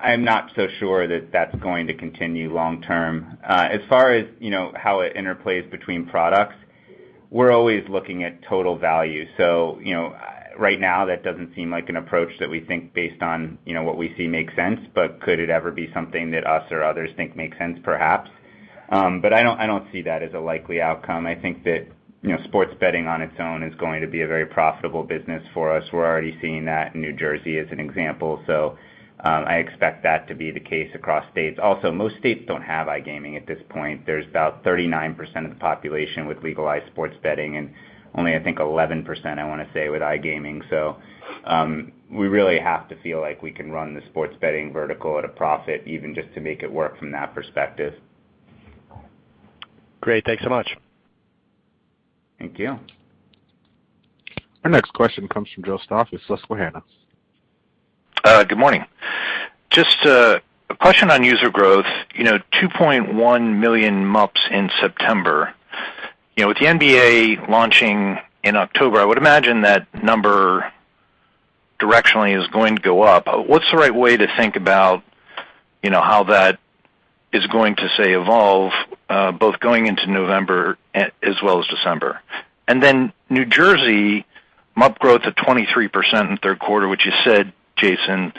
I'm not so sure that that's going to continue long term. As far as, you know, how it interplays between products, we're always looking at total value. You know, right now, that doesn't seem like an approach that we think based on, you know, what we see makes sense, but could it ever be something that us or others think makes sense? Perhaps. I don't see that as a likely outcome. I think that, you know, sports betting on its own is going to be a very profitable business for us. We're already seeing that in New Jersey as an example. I expect that to be the case across states. Also, most states don't have iGaming at this point. There's about 39% of the population with legalized sports betting and only, I think, 11%, I wanna say, with iGaming. We really have to feel like we can run the sports betting vertical at a profit, even just to make it work from that perspective. Great. Thanks so much. Thank you. Our next question comes from Joe Stauff with Susquehanna. Good morning. Just a question on user growth. You know, 2.1 million MUPs in September. You know, with the NBA launching in October, I would imagine that number directionally is going to go up. What's the right way to think about, you know, how that is going to, say, evolve, both going into November as well as December? New Jersey MUP growth of 23% in third quarter, which you said, Jason,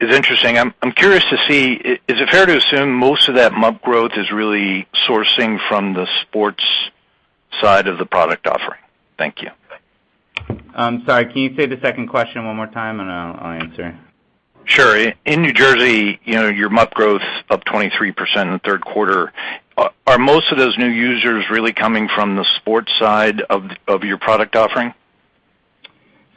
is interesting. I'm curious to see, is it fair to assume most of that MUP growth is really sourcing from the sports side of the product offering? Thank you. I'm sorry. Can you say the second question one more time, and I'll answer. Sure. In New Jersey, you know, your MUP growth up 23% in the third quarter. Are most of those new users really coming from the sports side of your product offering?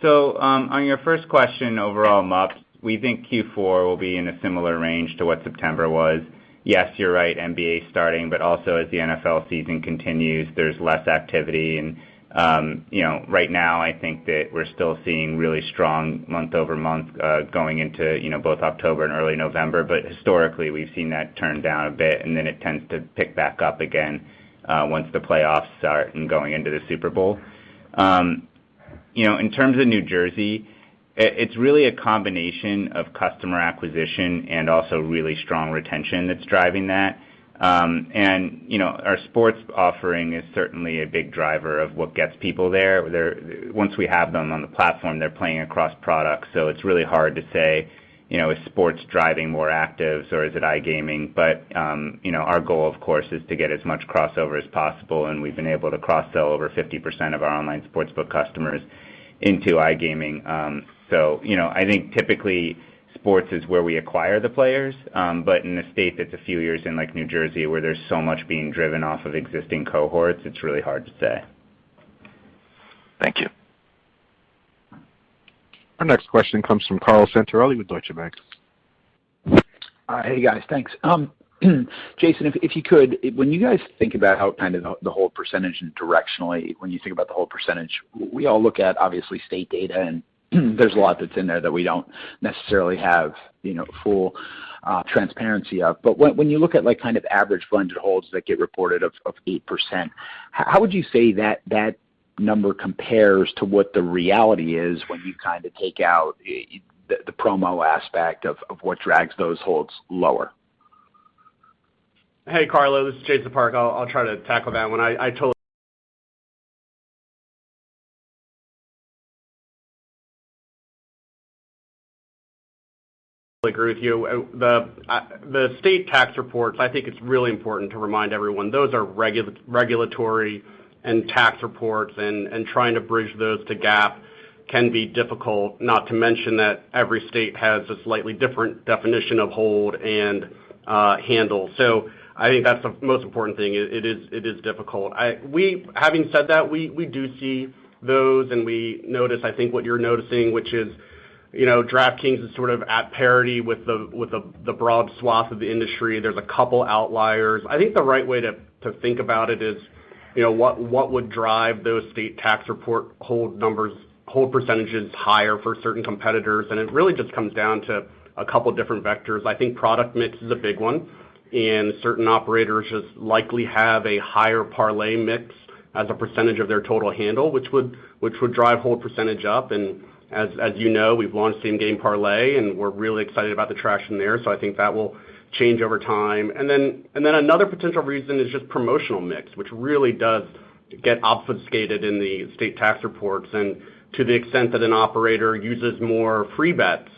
On your first question overall MUP, we think Q4 will be in a similar range to what September was. Yes, you're right, NBA starting, but also as the NFL season continues, there's less activity and, you know, right now I think that we're still seeing really strong month-over-month, going into, you know, both October and early November. But historically we've seen that turn down a bit, and then it tends to pick back up again, once the playoffs start and going into the Super Bowl. You know, in terms of New Jersey, it's really a combination of customer acquisition and also really strong retention that's driving that. You know, our sports offering is certainly a big driver of what gets people there. Once we have them on the platform, they're playing across products. It's really hard to say, you know, is sports driving more actives or is it iGaming? You know, our goal, of course, is to get as much crossover as possible, and we've been able to cross-sell over 50% of our online sportsbook customers into iGaming. You know, I think typically sports is where we acquire the players. In a state that's a few years in, like New Jersey, where there's so much being driven off of existing cohorts, it's really hard to say. Thank you. Our next question comes from Carlo Santarelli with Deutsche Bank. Hey, guys. Thanks. Jason, if you could, when you guys think about how kind of the whole percentage and directionally, when you think about the whole percentage, we all look at obviously state data and there's a lot that's in there that we don't necessarily have, you know, full transparency of. But when you look at, like, kind of average funded holds that get reported of 8%, how would you say that number compares to what the reality is when you kind of take out the promo aspect of what drags those holds lower? Hey, Carlo, this is Jason Park. I'll try to tackle that one. I totally agree with you. The state tax reports, I think it's really important to remind everyone, those are regulatory and tax reports, and trying to bridge those to GAAP can be difficult. Not to mention that every state has a slightly different definition of hold and handle. So I think that's the most important thing. It is difficult. Having said that, we do see those and we notice, I think, what you're noticing, which is, you know, DraftKings is sort of at parity with the broad swath of the industry. There's a couple outliers. I think the right way to think about it is, you know, what would drive those state tax report hold numbers, hold percentages higher for certain competitors? It really just comes down to a couple different vectors. I think product mix is a big one, and certain operators just likely have a higher parlay mix as a percentage of their total handle, which would drive hold percentage up. As you know, we've launched Same Game Parlays, and we're really excited about the traction there. I think that will change over time. Then another potential reason is just promotional mix, which really does get obfuscated in the state tax reports. To the extent that an operator uses more free bets,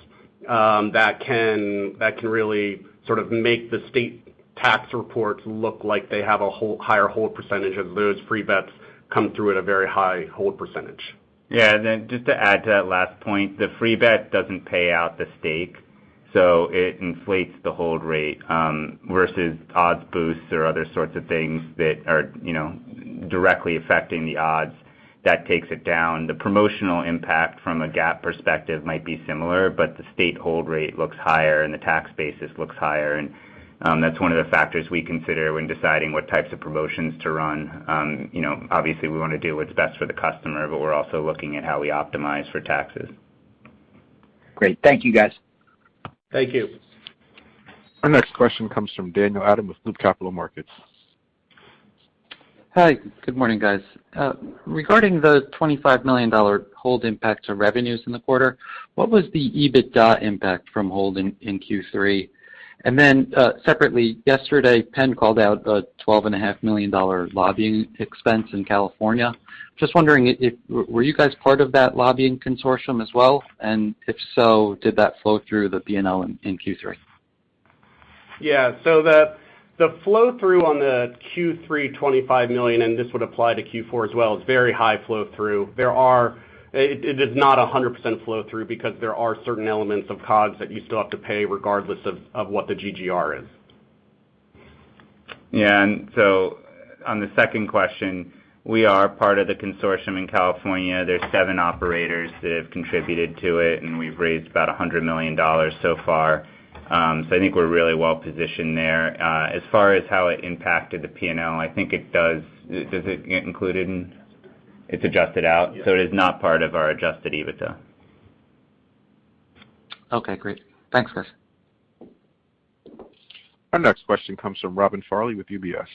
that can really sort of make the state tax reports look like they have a wholly higher hold percentage as those free bets come through at a very high hold percentage. Yeah. Then just to add to that last point, the free bet doesn't pay out the stake, so it inflates the hold rate versus odds boosts or other sorts of things that are, you know, directly affecting the odds. That takes it down. The promotional impact from a GAAP perspective might be similar, but the state hold rate looks higher, and the tax basis looks higher. That's one of the factors we consider when deciding what types of promotions to run. You know, obviously we wanna do what's best for the customer, but we're also looking at how we optimize for taxes. Great. Thank you, guys. Thank you. Our next question comes from Daniel Adam with Loop Capital Markets. Hi. Good morning, guys. Regarding the $25 million hold impact to revenues in the quarter, what was the EBITDA impact from hold in Q3? Separately, yesterday, Penn called out a $12.5 million lobbying expense in California. Just wondering if you were part of that lobbying consortium as well? If so, did that flow through the P&L in Q3? Yeah. The flow through on the Q3 $25 million, and this would apply to Q4 as well, is very high flow through. It is not 100% flow through because there are certain elements of COGS that you still have to pay regardless of what the GGR is. On the second question, we are part of the consortium in California. There are seven operators that have contributed to it, and we've raised about $100 million so far. I think we're really well-positioned there. As far as how it impacted the P&L, I think it does. It's adjusted out? Yeah. It is not part of our adjusted EBITDA. Okay, great. Thanks, guys. Our next question comes from Robin Farley with UBS.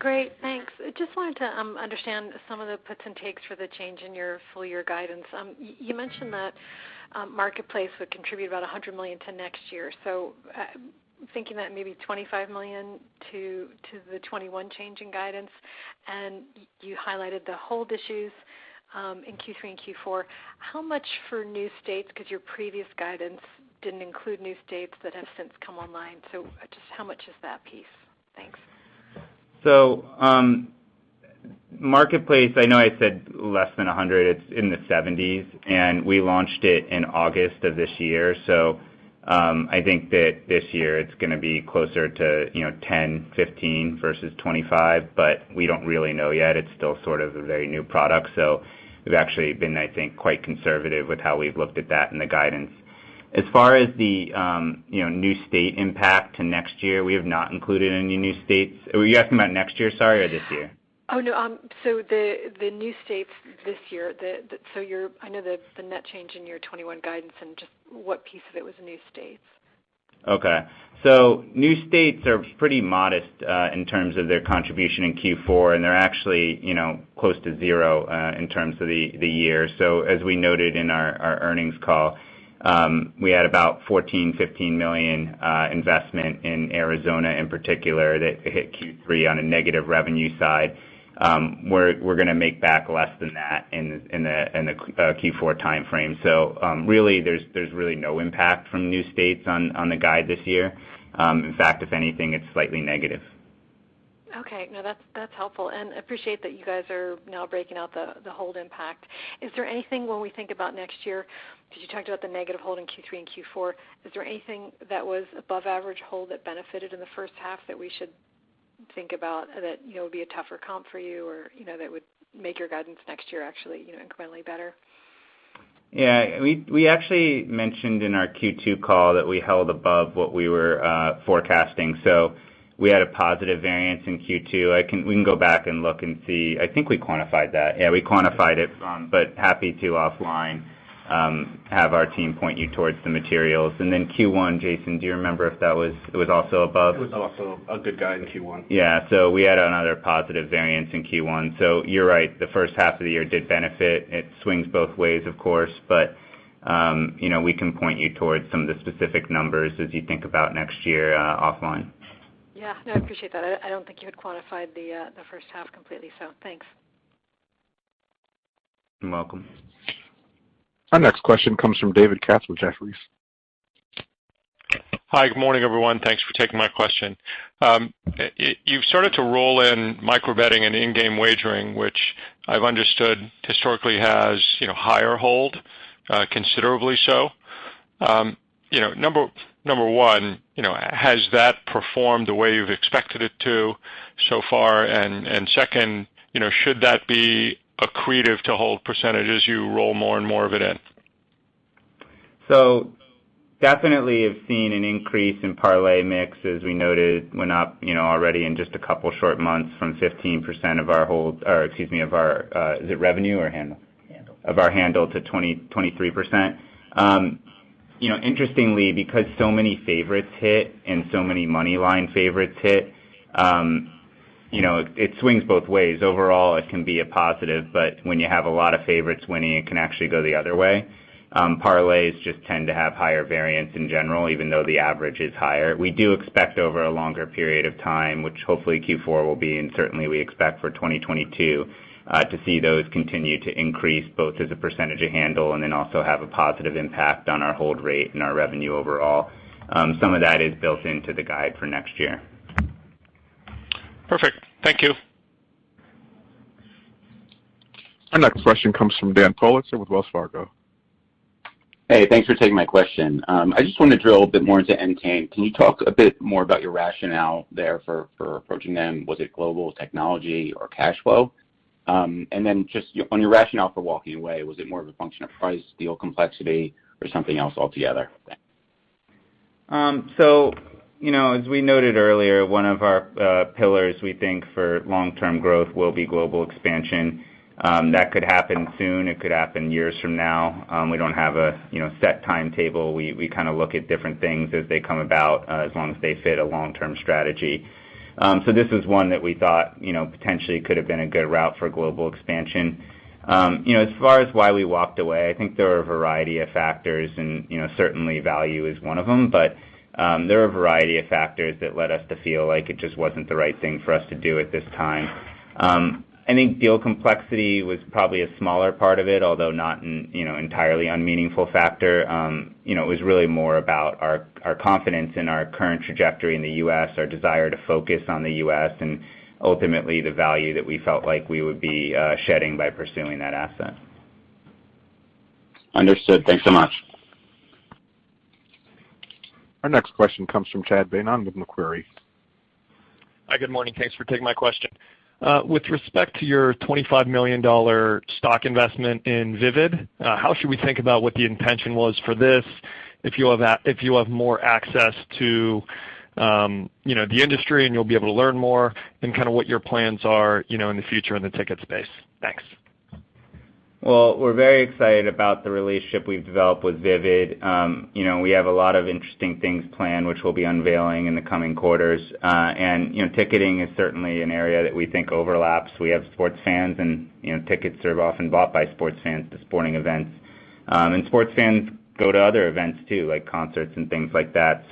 Great, thanks. I just wanted to understand some of the puts and takes for the change in your full year guidance. You mentioned that Marketplace would contribute about $100 million to next year. Thinking that maybe $25 million to the 2021 change in guidance, and you highlighted the hold issues in Q3 and Q4. How much for new states 'cause your previous guidance didn't include new states that have since come online. Just how much is that piece? Thanks. Marketplace, I know I said less than 100, it's in the 70s, and we launched it in August of this year. I think that this year it's gonna be closer to, you know, 10, 15 versus 25, but we don't really know yet. It's still sort of a very new product. We've actually been, I think, quite conservative with how we've looked at that in the guidance. As far as the, you know, new state impact to next year, we have not included any new states. Were you asking about next year, sorry, or this year? The new states this year. I know the net change in your 2021 guidance and just what piece of it was in new states. Okay. New states are pretty modest in terms of their contribution in Q4, and they're actually, you know, close to zero in terms of the year. As we noted in our earnings call, we had about $14 million-$15 million investment in Arizona in particular that hit Q3 on a negative revenue side. We're gonna make back less than that in the Q4 timeframe. Really there's really no impact from new states on the guide this year. In fact, if anything, it's slightly negative. Okay. No, that's helpful, and I appreciate that you guys are now breaking out the hold impact. Is there anything when we think about next year, 'cause you talked about the negative hold in Q3 and Q4, is there anything that was above average hold that benefited in the first half that we should think about that, you know, would be a tougher comp for you or, you know, that would make your guidance next year actually, you know, incrementally better? Yeah. We actually mentioned in our Q2 call that we held above what we were forecasting. We had a positive variance in Q2. We can go back and look and see. I think we quantified that. Yeah, we quantified it, but happy to offline, have our team point you towards the materials. Q1, Jason, do you remember if it was also above? It was also a good guide in Q1. Yeah. We had another positive variance in Q1. You're right, the first half of the year did benefit. It swings both ways of course, but you know, we can point you towards some of the specific numbers as you think about next year, offline. Yeah. No, I appreciate that. I don't think you had quantified the first half completely, so thanks. You're welcome. Our next question comes from David Katz with Jefferies. Hi, good morning, everyone. Thanks for taking my question. You've started to roll in micro-betting and in-game wagering, which I've understood historically has, you know, higher hold, considerably so. You know, number one, you know, has that performed the way you've expected it to so far? Second, you know, should that be accretive to hold percentage as you roll more and more of it in? Definitely have seen an increase in parlay mix, as we noted, went up, you know, already in just a couple short months from 15% of our hold, or excuse me, of our, is it revenue or handle? Handle. Of our handle to 23%. You know, interestingly, because so many favorites hit and so many money line favorites hit, you know, it swings both ways. Overall, it can be a positive, but when you have a lot of favorites winning, it can actually go the other way. Parlays just tend to have higher variance in general, even though the average is higher. We do expect over a longer period of time, which hopefully Q4 will be, and certainly we expect for 2022 to see those continue to increase both as a percentage of handle and then also have a positive impact on our hold rate and our revenue overall. Some of that is built into the guide for next year. Perfect. Thank you. Our next question comes from Dan Politzer with Wells Fargo. Hey, thanks for taking my question. I just wanna drill a bit more into Entain. Can you talk a bit more about your rationale there for approaching them? Was it global technology or cash flow? Just on your rationale for walking away, was it more of a function of price, deal complexity, or something else altogether? Thanks. You know, as we noted earlier, one of our pillars we think for long-term growth will be global expansion. That could happen soon. It could happen years from now. We don't have a, you know, set timetable. We kinda look at different things as they come about, as long as they fit a long-term strategy. This is one that we thought, you know, potentially could have been a good route for global expansion. You know, as far as why we walked away, I think there were a variety of factors and, you know, certainly value is one of them. There are a variety of factors that led us to feel like it just wasn't the right thing for us to do at this time. I think deal complexity was probably a smaller part of it, although not an, you know, entirely unmeaningful factor. You know, it was really more about our confidence in our current trajectory in the U.S., our desire to focus on the U.S., and ultimately the value that we felt like we would be shedding by pursuing that asset. Understood. Thanks so much. Our next question comes from Chad Beynon with Macquarie. Hi, good morning. Thanks for taking my question. With respect to your $25 million stock investment in Vivid, how should we think about what the intention was for this? If you have more access to, you know, the industry and you'll be able to learn more and kinda what your plans are, you know, in the future in the ticket space. Thanks. Well, we're very excited about the relationship we've developed with Vivid. You know, we have a lot of interesting things planned, which we'll be unveiling in the coming quarters. You know, ticketing is certainly an area that we think overlaps. We have sports fans, and you know, tickets are often bought by sports fans to sporting events. Sports fans go to other events too, like concerts and things like that.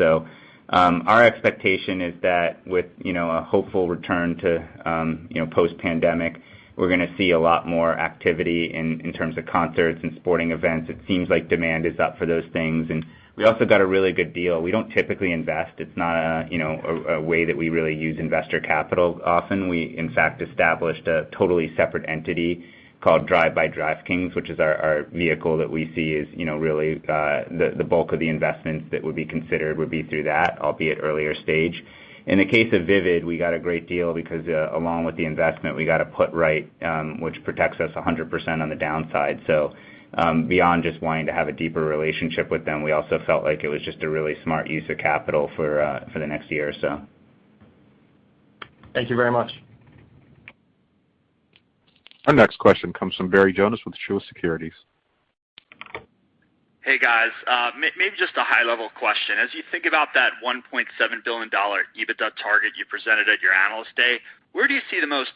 Our expectation is that with you know, a hopeful return to you know, post-pandemic, we're gonna see a lot more activity in terms of concerts and sporting events. It seems like demand is up for those things. We also got a really good deal. We don't typically invest. It's not a way you know, that we really use investor capital often. We, in fact, established a totally separate entity called Drive by DraftKings, which is our vehicle that we see as, you know, really, the bulk of the investments that would be considered would be through that, albeit earlier stage. In the case of Vivid, we got a great deal because, along with the investment, we got a put right, which protects us 100% on the downside. Beyond just wanting to have a deeper relationship with them, we also felt like it was just a really smart use of capital for the next year or so. Thank you very much. Our next question comes from Barry Jonas with Truist Securities. Hey, guys. Maybe just a high-level question. As you think about that $1.7 billion EBITDA target you presented at your Analyst Day, where do you see the most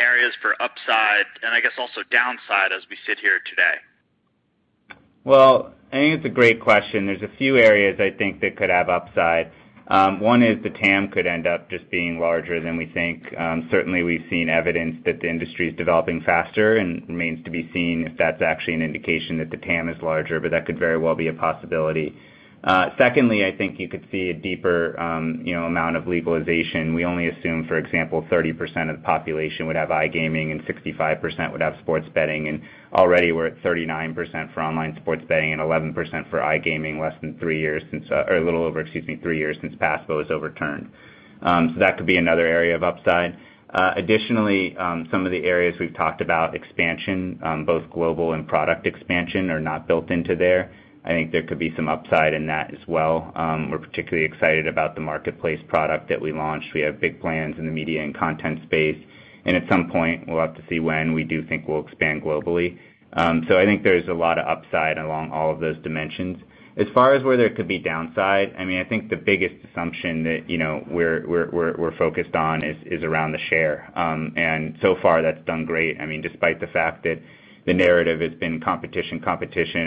areas for upside and I guess also downside as we sit here today? Well, I think it's a great question. There's a few areas I think that could have upside. One is the TAM could end up just being larger than we think. Certainly, we've seen evidence that the industry is developing faster and remains to be seen if that's actually an indication that the TAM is larger, but that could very well be a possibility. Secondly, I think you could see a deeper, you know, amount of legalization. We only assume, for example, 30% of the population would have iGaming and 65% would have sports betting. Already we're at 39% for online sports betting and 11% for iGaming, or a little over, excuse me, three years since PASPA was overturned. That could be another area of upside. Additionally, some of the areas we've talked about, expansion, both global and product expansion, are not built into there. I think there could be some upside in that as well. We're particularly excited about the marketplace product that we launched. We have big plans in the media and content space, and at some point, we'll have to see when we do think we'll expand globally. I think there's a lot of upside along all of those dimensions. As far as where there could be downside, I mean, I think the biggest assumption that, you know, we're focused on is around the share. So far, that's done great. I mean, despite the fact that the narrative has been competition,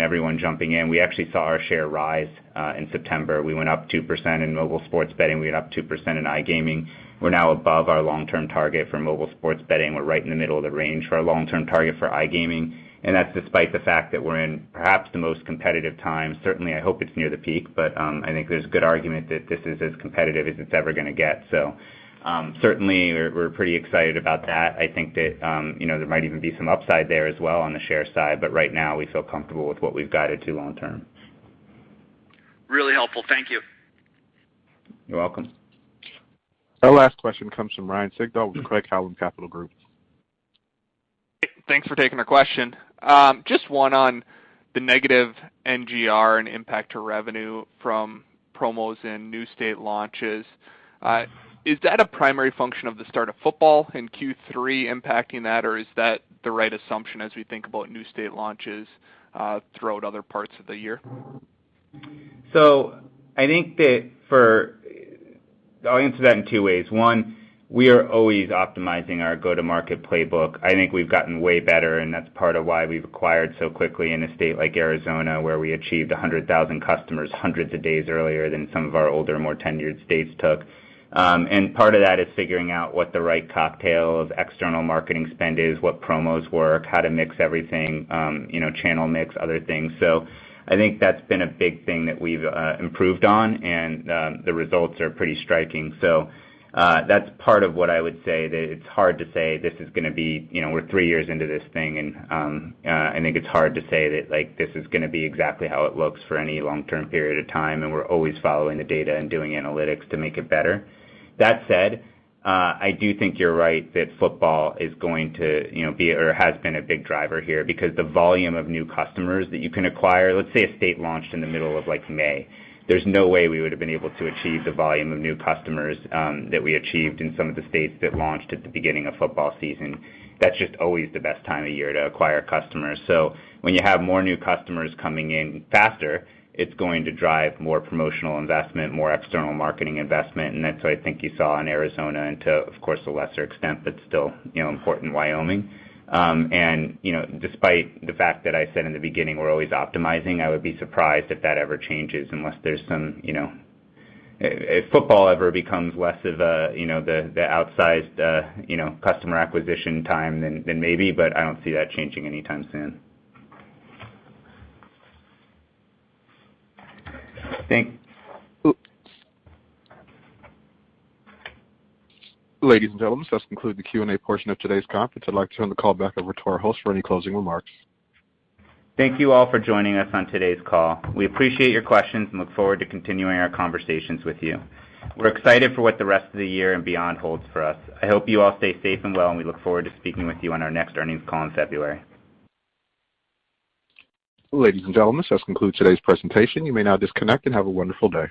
everyone jumping in, we actually saw our share rise in September. We went up 2% in mobile sports betting. We went up 2% in iGaming. We're now above our long-term target for mobile sports betting. We're right in the middle of the range for our long-term target for iGaming. That's despite the fact that we're in perhaps the most competitive time. Certainly, I hope it's near the peak, but I think there's a good argument that this is as competitive as it's ever gonna get. Certainly, we're pretty excited about that. I think that, you know, there might even be some upside there as well on the share side, but right now, we feel comfortable with what we've guided to long term. Really helpful. Thank you. You're welcome. Our last question comes from Ryan Sigdahl with Craig-Hallum Capital Group. Thanks for taking the question. Just one on the negative NGR and impact to revenue from promos and new state launches. Is that a primary function of the start of football in Q3 impacting that, or is that the right assumption as we think about new state launches throughout other parts of the year? I think that I'll answer that in two ways. One, we are always optimizing our go-to-market playbook. I think we've gotten way better, and that's part of why we've acquired so quickly in a state like Arizona, where we achieved 100,000 customers hundreds of days earlier than some of our older, more tenured states took. Part of that is figuring out what the right cocktail of external marketing spend is, what promos work, how to mix everything, you know, channel mix, other things. I think that's been a big thing that we've improved on, and the results are pretty striking. That's part of what I would say, that it's hard to say this is gonna be, you know, we're three years into this thing and I think it's hard to say that, like, this is gonna be exactly how it looks for any long-term period of time, and we're always following the data and doing analytics to make it better. That said, I do think you're right that football is going to, you know, be or has been a big driver here because the volume of new customers that you can acquire, let's say a state launched in the middle of, like, May. There's no way we would've been able to achieve the volume of new customers that we achieved in some of the states that launched at the beginning of football season. That's just always the best time of year to acquire customers. When you have more new customers coming in faster, it's going to drive more promotional investment, more external marketing investment, and that's what I think you saw in Arizona and too, of course, a lesser extent, but still, you know, important Wyoming. You know, despite the fact that I said in the beginning, we're always optimizing, I would be surprised if that ever changes unless there's some, you know. If football ever becomes less of a, you know, the outsized, you know, customer acquisition time, then maybe, but I don't see that changing anytime soon. Thanks. Ladies and gentlemen, this concludes the Q&A portion of today's conference. I'd like to turn the call back over to our host for any closing remarks. Thank you all for joining us on today's call. We appreciate your questions and look forward to continuing our conversations with you. We're excited for what the rest of the year and beyond holds for us. I hope you all stay safe and well, and we look forward to speaking with you on our next earnings call in February. Ladies and gentlemen, this concludes today's presentation. You may now disconnect and have a wonderful day.